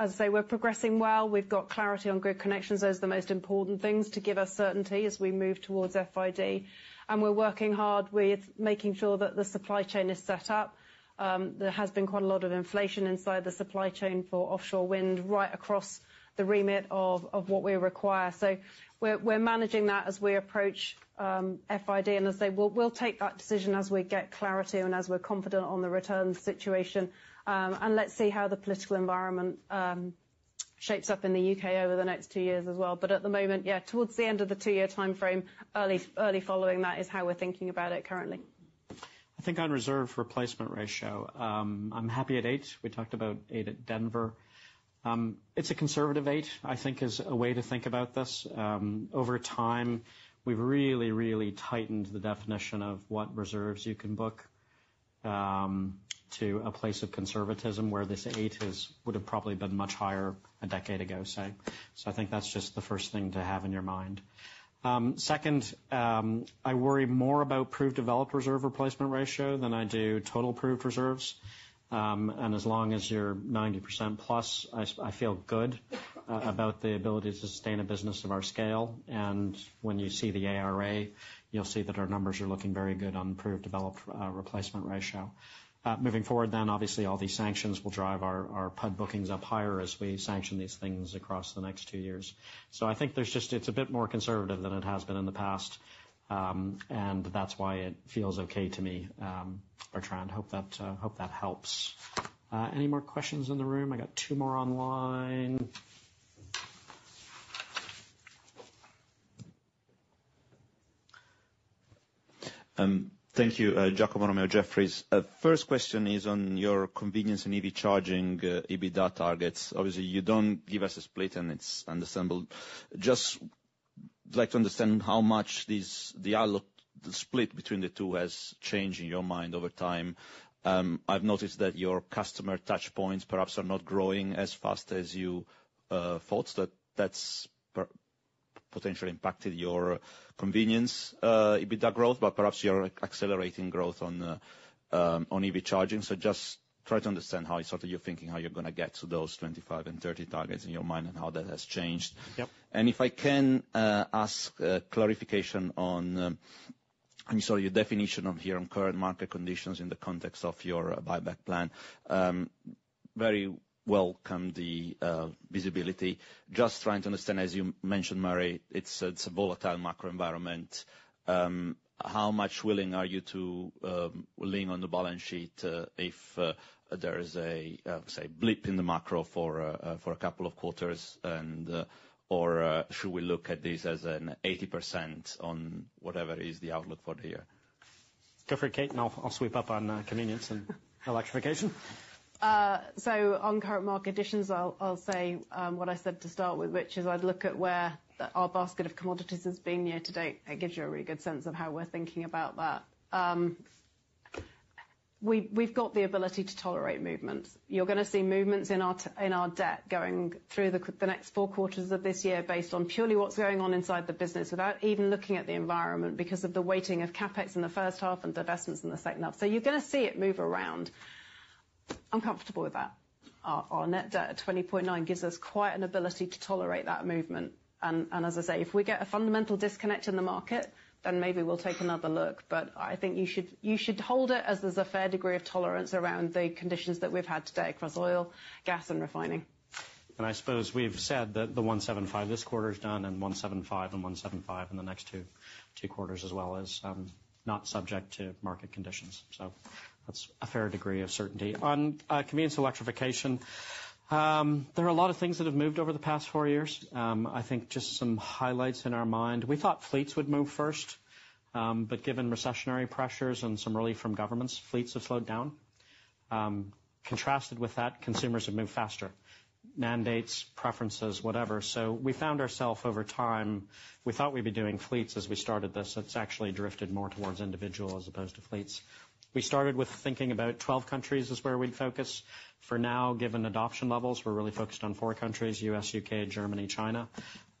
As I say, we're progressing well. We've got clarity on grid connections. Those are the most important things to give us certainty as we move towards FID. And we're working hard with making sure that the supply chain is set up. There has been quite a lot of inflation inside the supply chain for offshore wind, right across the remit of what we require. So we're managing that as we approach FID. As I say, we'll take that decision as we get clarity and as we're confident on the return situation. Let's see how the political environment shapes up in the U.K. over the next two years as well. But at the moment, yeah, towards the end of the two-year timeframe, early following that is how we're thinking about it currently. I think on reserve replacement ratio, I'm happy at 8. We talked about 8 at Denver. It's a conservative 8, I think is a way to think about this. Over time, we've really, really tightened the definition of what reserves you can book, to a place of conservatism, where this 8 is, would have probably been much higher a decade ago, say. So I think that's just the first thing to have in your mind. Second, I worry more about proved developed reserves replacement ratio than I do total proved reserves. And as long as you're 90% plus, I, I feel good about the ability to sustain a business of our scale. When you see the ARA, you'll see that our numbers are looking very good on proved developed reserves replacement ratio. Moving forward then, obviously, all these sanctions will drive our PUD bookings up higher as we sanction these things across the next two years. So I think there's just, it's a bit more conservative than it has been in the past. And that's why it feels okay to me, Bertrand. Hope that, hope that helps. Any more questions in the room? I got two more online. Thank you. Giacomo from Jefferies. First question is on your convenience and EV charging EBITDA targets. Obviously, you don't give us a split, and it's understandable. Just like to understand how much these, the outlook, the split between the two has changed in your mind over time. I've noticed that your customer touch points perhaps are not growing as fast as you thought. That, that's potentially impacted your convenience EBITDA growth, but perhaps you're accelerating growth on the on EV charging. So just try to understand how sort of you're thinking, how you're gonna get to those 25 and 30 targets in your mind, and how that has changed. Yep. If I can ask clarification on, I'm sorry, your definition of here on current market conditions in the context of your buyback plan. Very welcome, the visibility. Just trying to understand, as you mentioned, Murray, it's a volatile macro environment. How much willing are you to lean on the balance sheet if there is a say blip in the macro for a couple of quarters, and or should we look at this as an 80% on whatever is the outlook for the year? Go for it, Kate, and I'll sweep up on convenience and electrification. So on current market conditions, I'll say what I said to start with, which is I'd look at where our basket of commodities has been year-to-date. It gives you a really good sense of how we're thinking about that. We've got the ability to tolerate movements. You're gonna see movements in our debt going through the next four quarters of this year, based on purely what's going on inside the business, without even looking at the environment, because of the weighting of CapEx in the first half and divestments in the second half. So you're gonna see it move around. I'm comfortable with that. Our net debt at $20.9 gives us quite an ability to tolerate that movement. As I say, if we get a fundamental disconnect in the market, then maybe we'll take another look. But I think you should hold it as there's a fair degree of tolerance around the conditions that we've had today across oil, gas, and refining. I suppose we've said that the $175 this quarter is done, and $175 and $175 in the next two quarters as well, is not subject to market conditions. So that's a fair degree of certainty. On convenience electrification, there are a lot of things that have moved over the past 4 years. I think just some highlights in our mind, we thought fleets would move first. But given recessionary pressures and some relief from governments, fleets have slowed down. Contrasted with that, consumers have moved faster. Mandates, preferences, whatever. So we found ourself over time, we thought we'd be doing fleets as we started this. It's actually drifted more towards individual as opposed to fleets. We started with thinking about 12 countries as where we'd focus. For now, given adoption levels, we're really focused on 4 countries, U.S., U.K., Germany, China.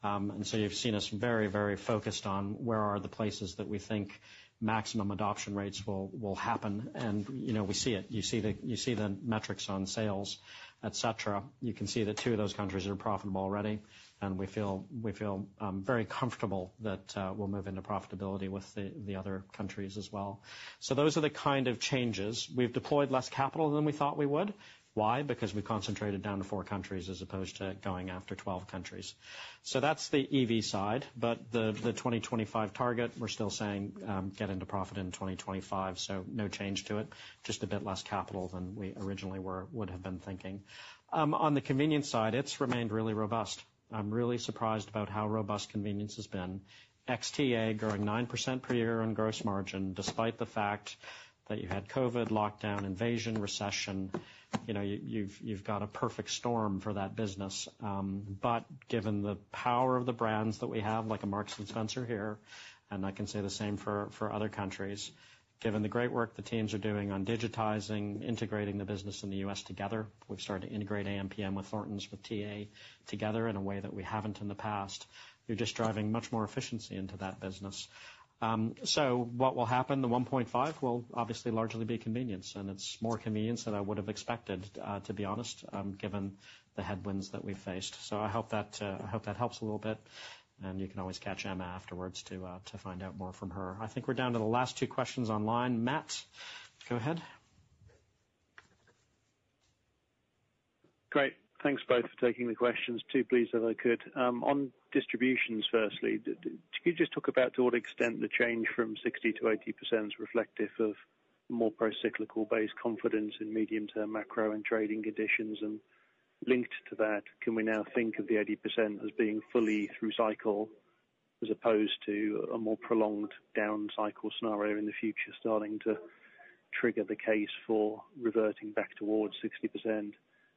And so you've seen us very, very focused on where are the places that we think maximum adoption rates will, will happen. And, you know, we see it. You see the, you see the metrics on sales, et cetera. You can see that 2 of those countries are profitable already, and we feel, we feel, very comfortable that we'll move into profitability with the, the other countries as well. So those are the kind of changes. We've deployed less capital than we thought we would. Why? Because we concentrated down to 4 countries as opposed to going after 12 countries. So that's the EV side, but the 2025 target, we're still saying, get into profit in 2025, so no change to it. Just a bit less capital than we originally were would have been thinking. On the convenience side, it's remained really robust. I'm really surprised about how robust convenience has been. TA growing 9% per year on gross margin, despite the fact that you had COVID, lockdown, invasion, recession. You know, you've got a perfect storm for that business. But given the power of the brands that we have, like a Marks and Spencer here, and I can say the same for other countries. Given the great work the teams are doing on digitizing, integrating the business in the U.S. together, we've started to integrate ampm with Thorntons, with TA together in a way that we haven't in the past. We're just driving much more efficiency into that business. So what will happen? The $1.5 will obviously largely be convenience, and it's more convenience than I would have expected, to be honest, given the headwinds that we've faced. So I hope that, I hope that helps a little bit, and you can always catch Emma afterwards to, to find out more from her. I think we're down to the last two questions online. Matt, go ahead. Great. Thanks, both, for taking the questions. Two, please, if I could. On distributions, firstly, can you just talk about to what extent the change from 60% to 80% is reflective of more procyclical-based confidence in medium-term macro and trading conditions? And linked to that, can we now think of the 80% as being fully through cycle, as opposed to a more prolonged down cycle scenario in the future, starting to trigger the case for reverting back towards 60%?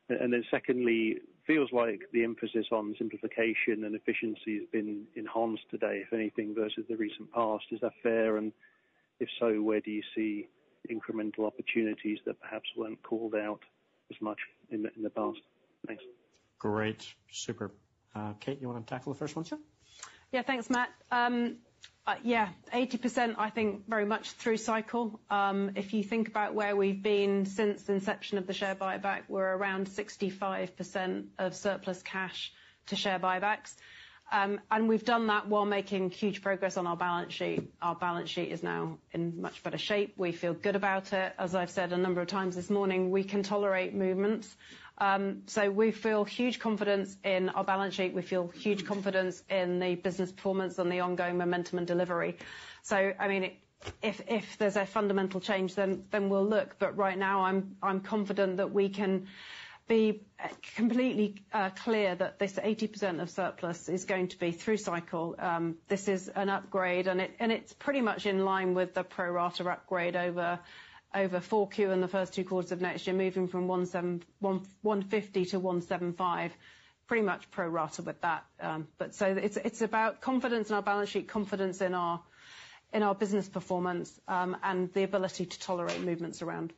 And then secondly, feels like the emphasis on simplification and efficiency has been enhanced today, if anything, versus the recent past. Is that fair? And if so, where do you see incremental opportunities that perhaps weren't called out as much in the past? Thanks. Great. Super. Kate, you want to tackle the first one, sir? Yeah. Thanks, Matt. Yeah, 80%, I think, very much through cycle. If you think about where we've been since the inception of the share buyback, we're around 65% of surplus cash to share buybacks. And we've done that while making huge progress on our balance sheet. Our balance sheet is now in much better shape. We feel good about it. As I've said a number of times this morning, we can tolerate movements. So we feel huge confidence in our balance sheet. We feel huge confidence in the business performance and the ongoing momentum and delivery. So, I mean, if, if there's a fundamental change, then, then we'll look. But right now, I'm, I'm confident that we can be completely clear that this 80% of surplus is going to be through cycle. This is an upgrade, and it's pretty much in line with the pro rata upgrade over 4Q in the first two quarters of next year, moving from $150-$175. Pretty much pro rata with that. But it's about confidence in our balance sheet, confidence in our business performance, and the ability to tolerate movements around.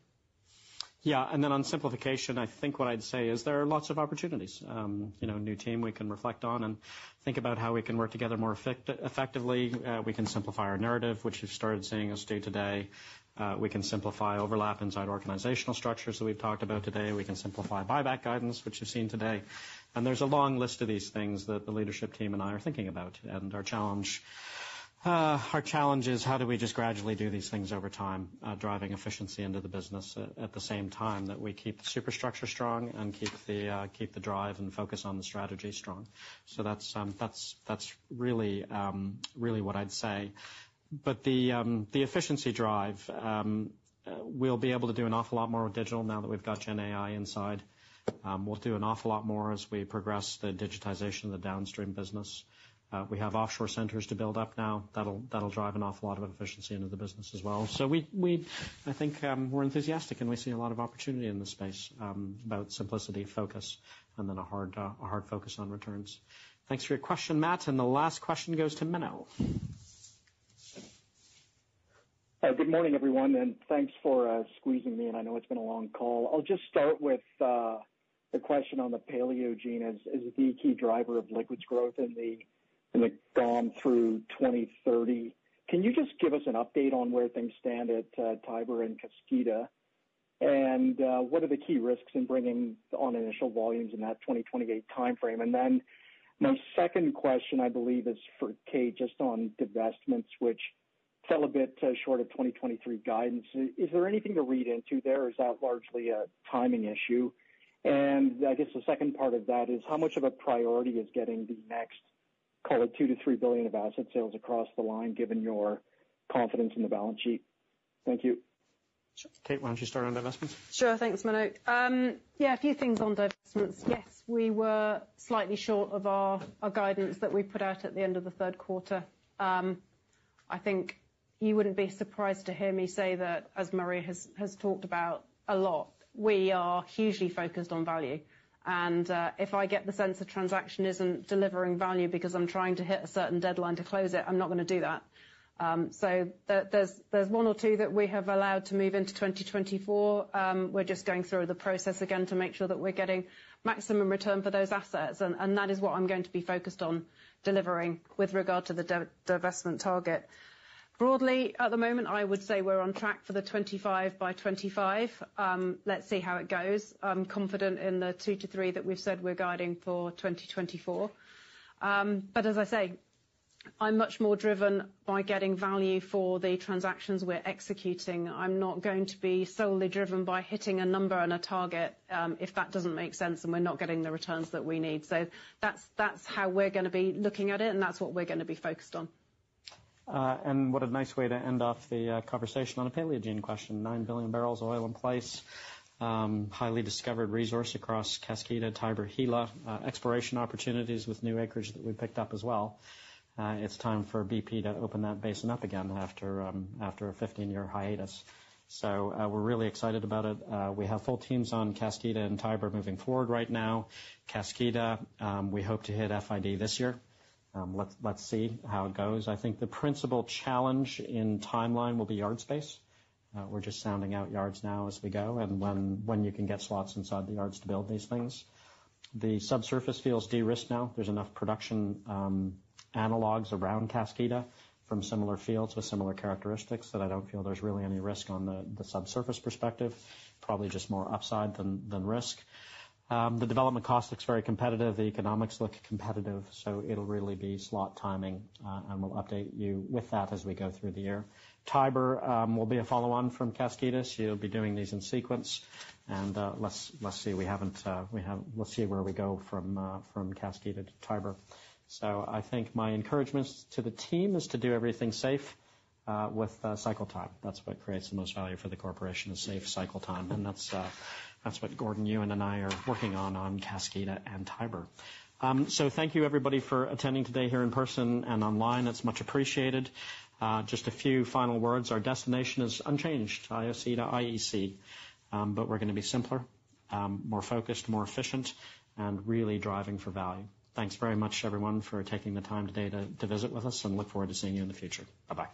Yeah, and then on simplification, I think what I'd say is there are lots of opportunities. You know, new team we can reflect on and think about how we can work together more effectively. We can simplify our narrative, which you've started seeing us do today. We can simplify overlap inside organizational structures that we've talked about today. We can simplify buyback guidance, which you've seen today. And there's a long list of these things that the leadership team and I are thinking about. And our challenge is how do we just gradually do these things over time, driving efficiency into the business at the same time that we keep the superstructure strong and keep the drive and focus on the strategy strong. So that's, that's really, really what I'd say. But the efficiency drive, we'll be able to do an awful lot more with digital now that we've got GenAI inside. We'll do an awful lot more as we progress the digitization of the downstream business. We have offshore centers to build up now that'll drive an awful lot of efficiency into the business as well. So we, I think, we're enthusiastic and we see a lot of opportunity in this space about simplicity, focus, and then a hard focus on returns. Thanks for your question, Matt. And the last question goes to Gabelman. Hi, good morning, everyone, and thanks for squeezing me in. I know it's been a long call. I'll just start with the question on the Paleogene. As, is it the key driver of liquids growth in the, in the GoM through 2030? Can you just give us an update on where things stand at Tiber and Kaskida? And what are the key risks in bringing on initial volumes in that 2028 time frame? And then my second question, I believe, is for Kate, just on divestments, which fell a bit short of 2023 guidance. Is there anything to read into there, or is that largely a timing issue? I guess the second part of that is: how much of a priority is getting the next call it, $2-3 billion of asset sales across the line, given your confidence in the balance sheet? Thank you. Kate, why don't you start on divestments? Sure. Thanks, Gabelman. Yeah, a few things on divestments. Yes, we were slightly short of our guidance that we put out at the end of the third quarter. I think you wouldn't be surprised to hear me say that, as Murray has talked about a lot, we are hugely focused on value. If I get the sense a transaction isn't delivering value because I'm trying to hit a certain deadline to close it, I'm not gonna do that. There's one or two that we have allowed to move into 2024. We're just going through the process again to make sure that we're getting maximum return for those assets, and that is what I'm going to be focused on delivering with regard to the divestment target. Broadly, at the moment, I would say we're on track for the 25 by 25. Let's see how it goes. I'm confident in the 2-3 that we've said we're guiding for 2024. But as I say, I'm much more driven by getting value for the transactions we're executing. I'm not going to be solely driven by hitting a number and a target, if that doesn't make sense, and we're not getting the returns that we need. So that's, that's how we're gonna be looking at it, and that's what we're gonna be focused on. And what a nice way to end off the conversation on a Paleogene question, 9 billion barrels of oil in place. Highly discovered resource across Kaskida, Tiber, Gila, exploration opportunities with new acreage that we picked up as well. It's time for BP to open that basin up again after a 15-year hiatus. So, we're really excited about it. We have full teams on Kaskida and Tiber moving forward right now. Kaskida, we hope to hit FID this year. Let's see how it goes. I think the principal challenge in timeline will be yard space. We're just sounding out yards now as we go, and when you can get slots inside the yards to build these things. The subsurface feels de-risked now. There's enough production analogs around Kaskida from similar fields with similar characteristics that I don't feel there's really any risk on the subsurface perspective. Probably just more upside than risk. The development cost looks very competitive. The economics look competitive, so it'll really be slot timing, and we'll update you with that as we go through the year. Tiber will be a follow-on from Kaskida, so you'll be doing these in sequence. And let's see, we'll see where we go from Kaskida to Tiber. So I think my encouragement to the team is to do everything safe with cycle time. That's what creates the most value for the corporation, is safe cycle time, and that's what Gordon, you and I are working on, on Kaskida and Tiber. Thank you, everybody, for attending today here in person and online. It's much appreciated. Just a few final words. Our destination is unchanged, IOC to IEC, but we're gonna be simpler, more focused, more efficient, and really driving for value. Thanks very much, everyone, for taking the time today to, to visit with us, and look forward to seeing you in the future. Bye-bye.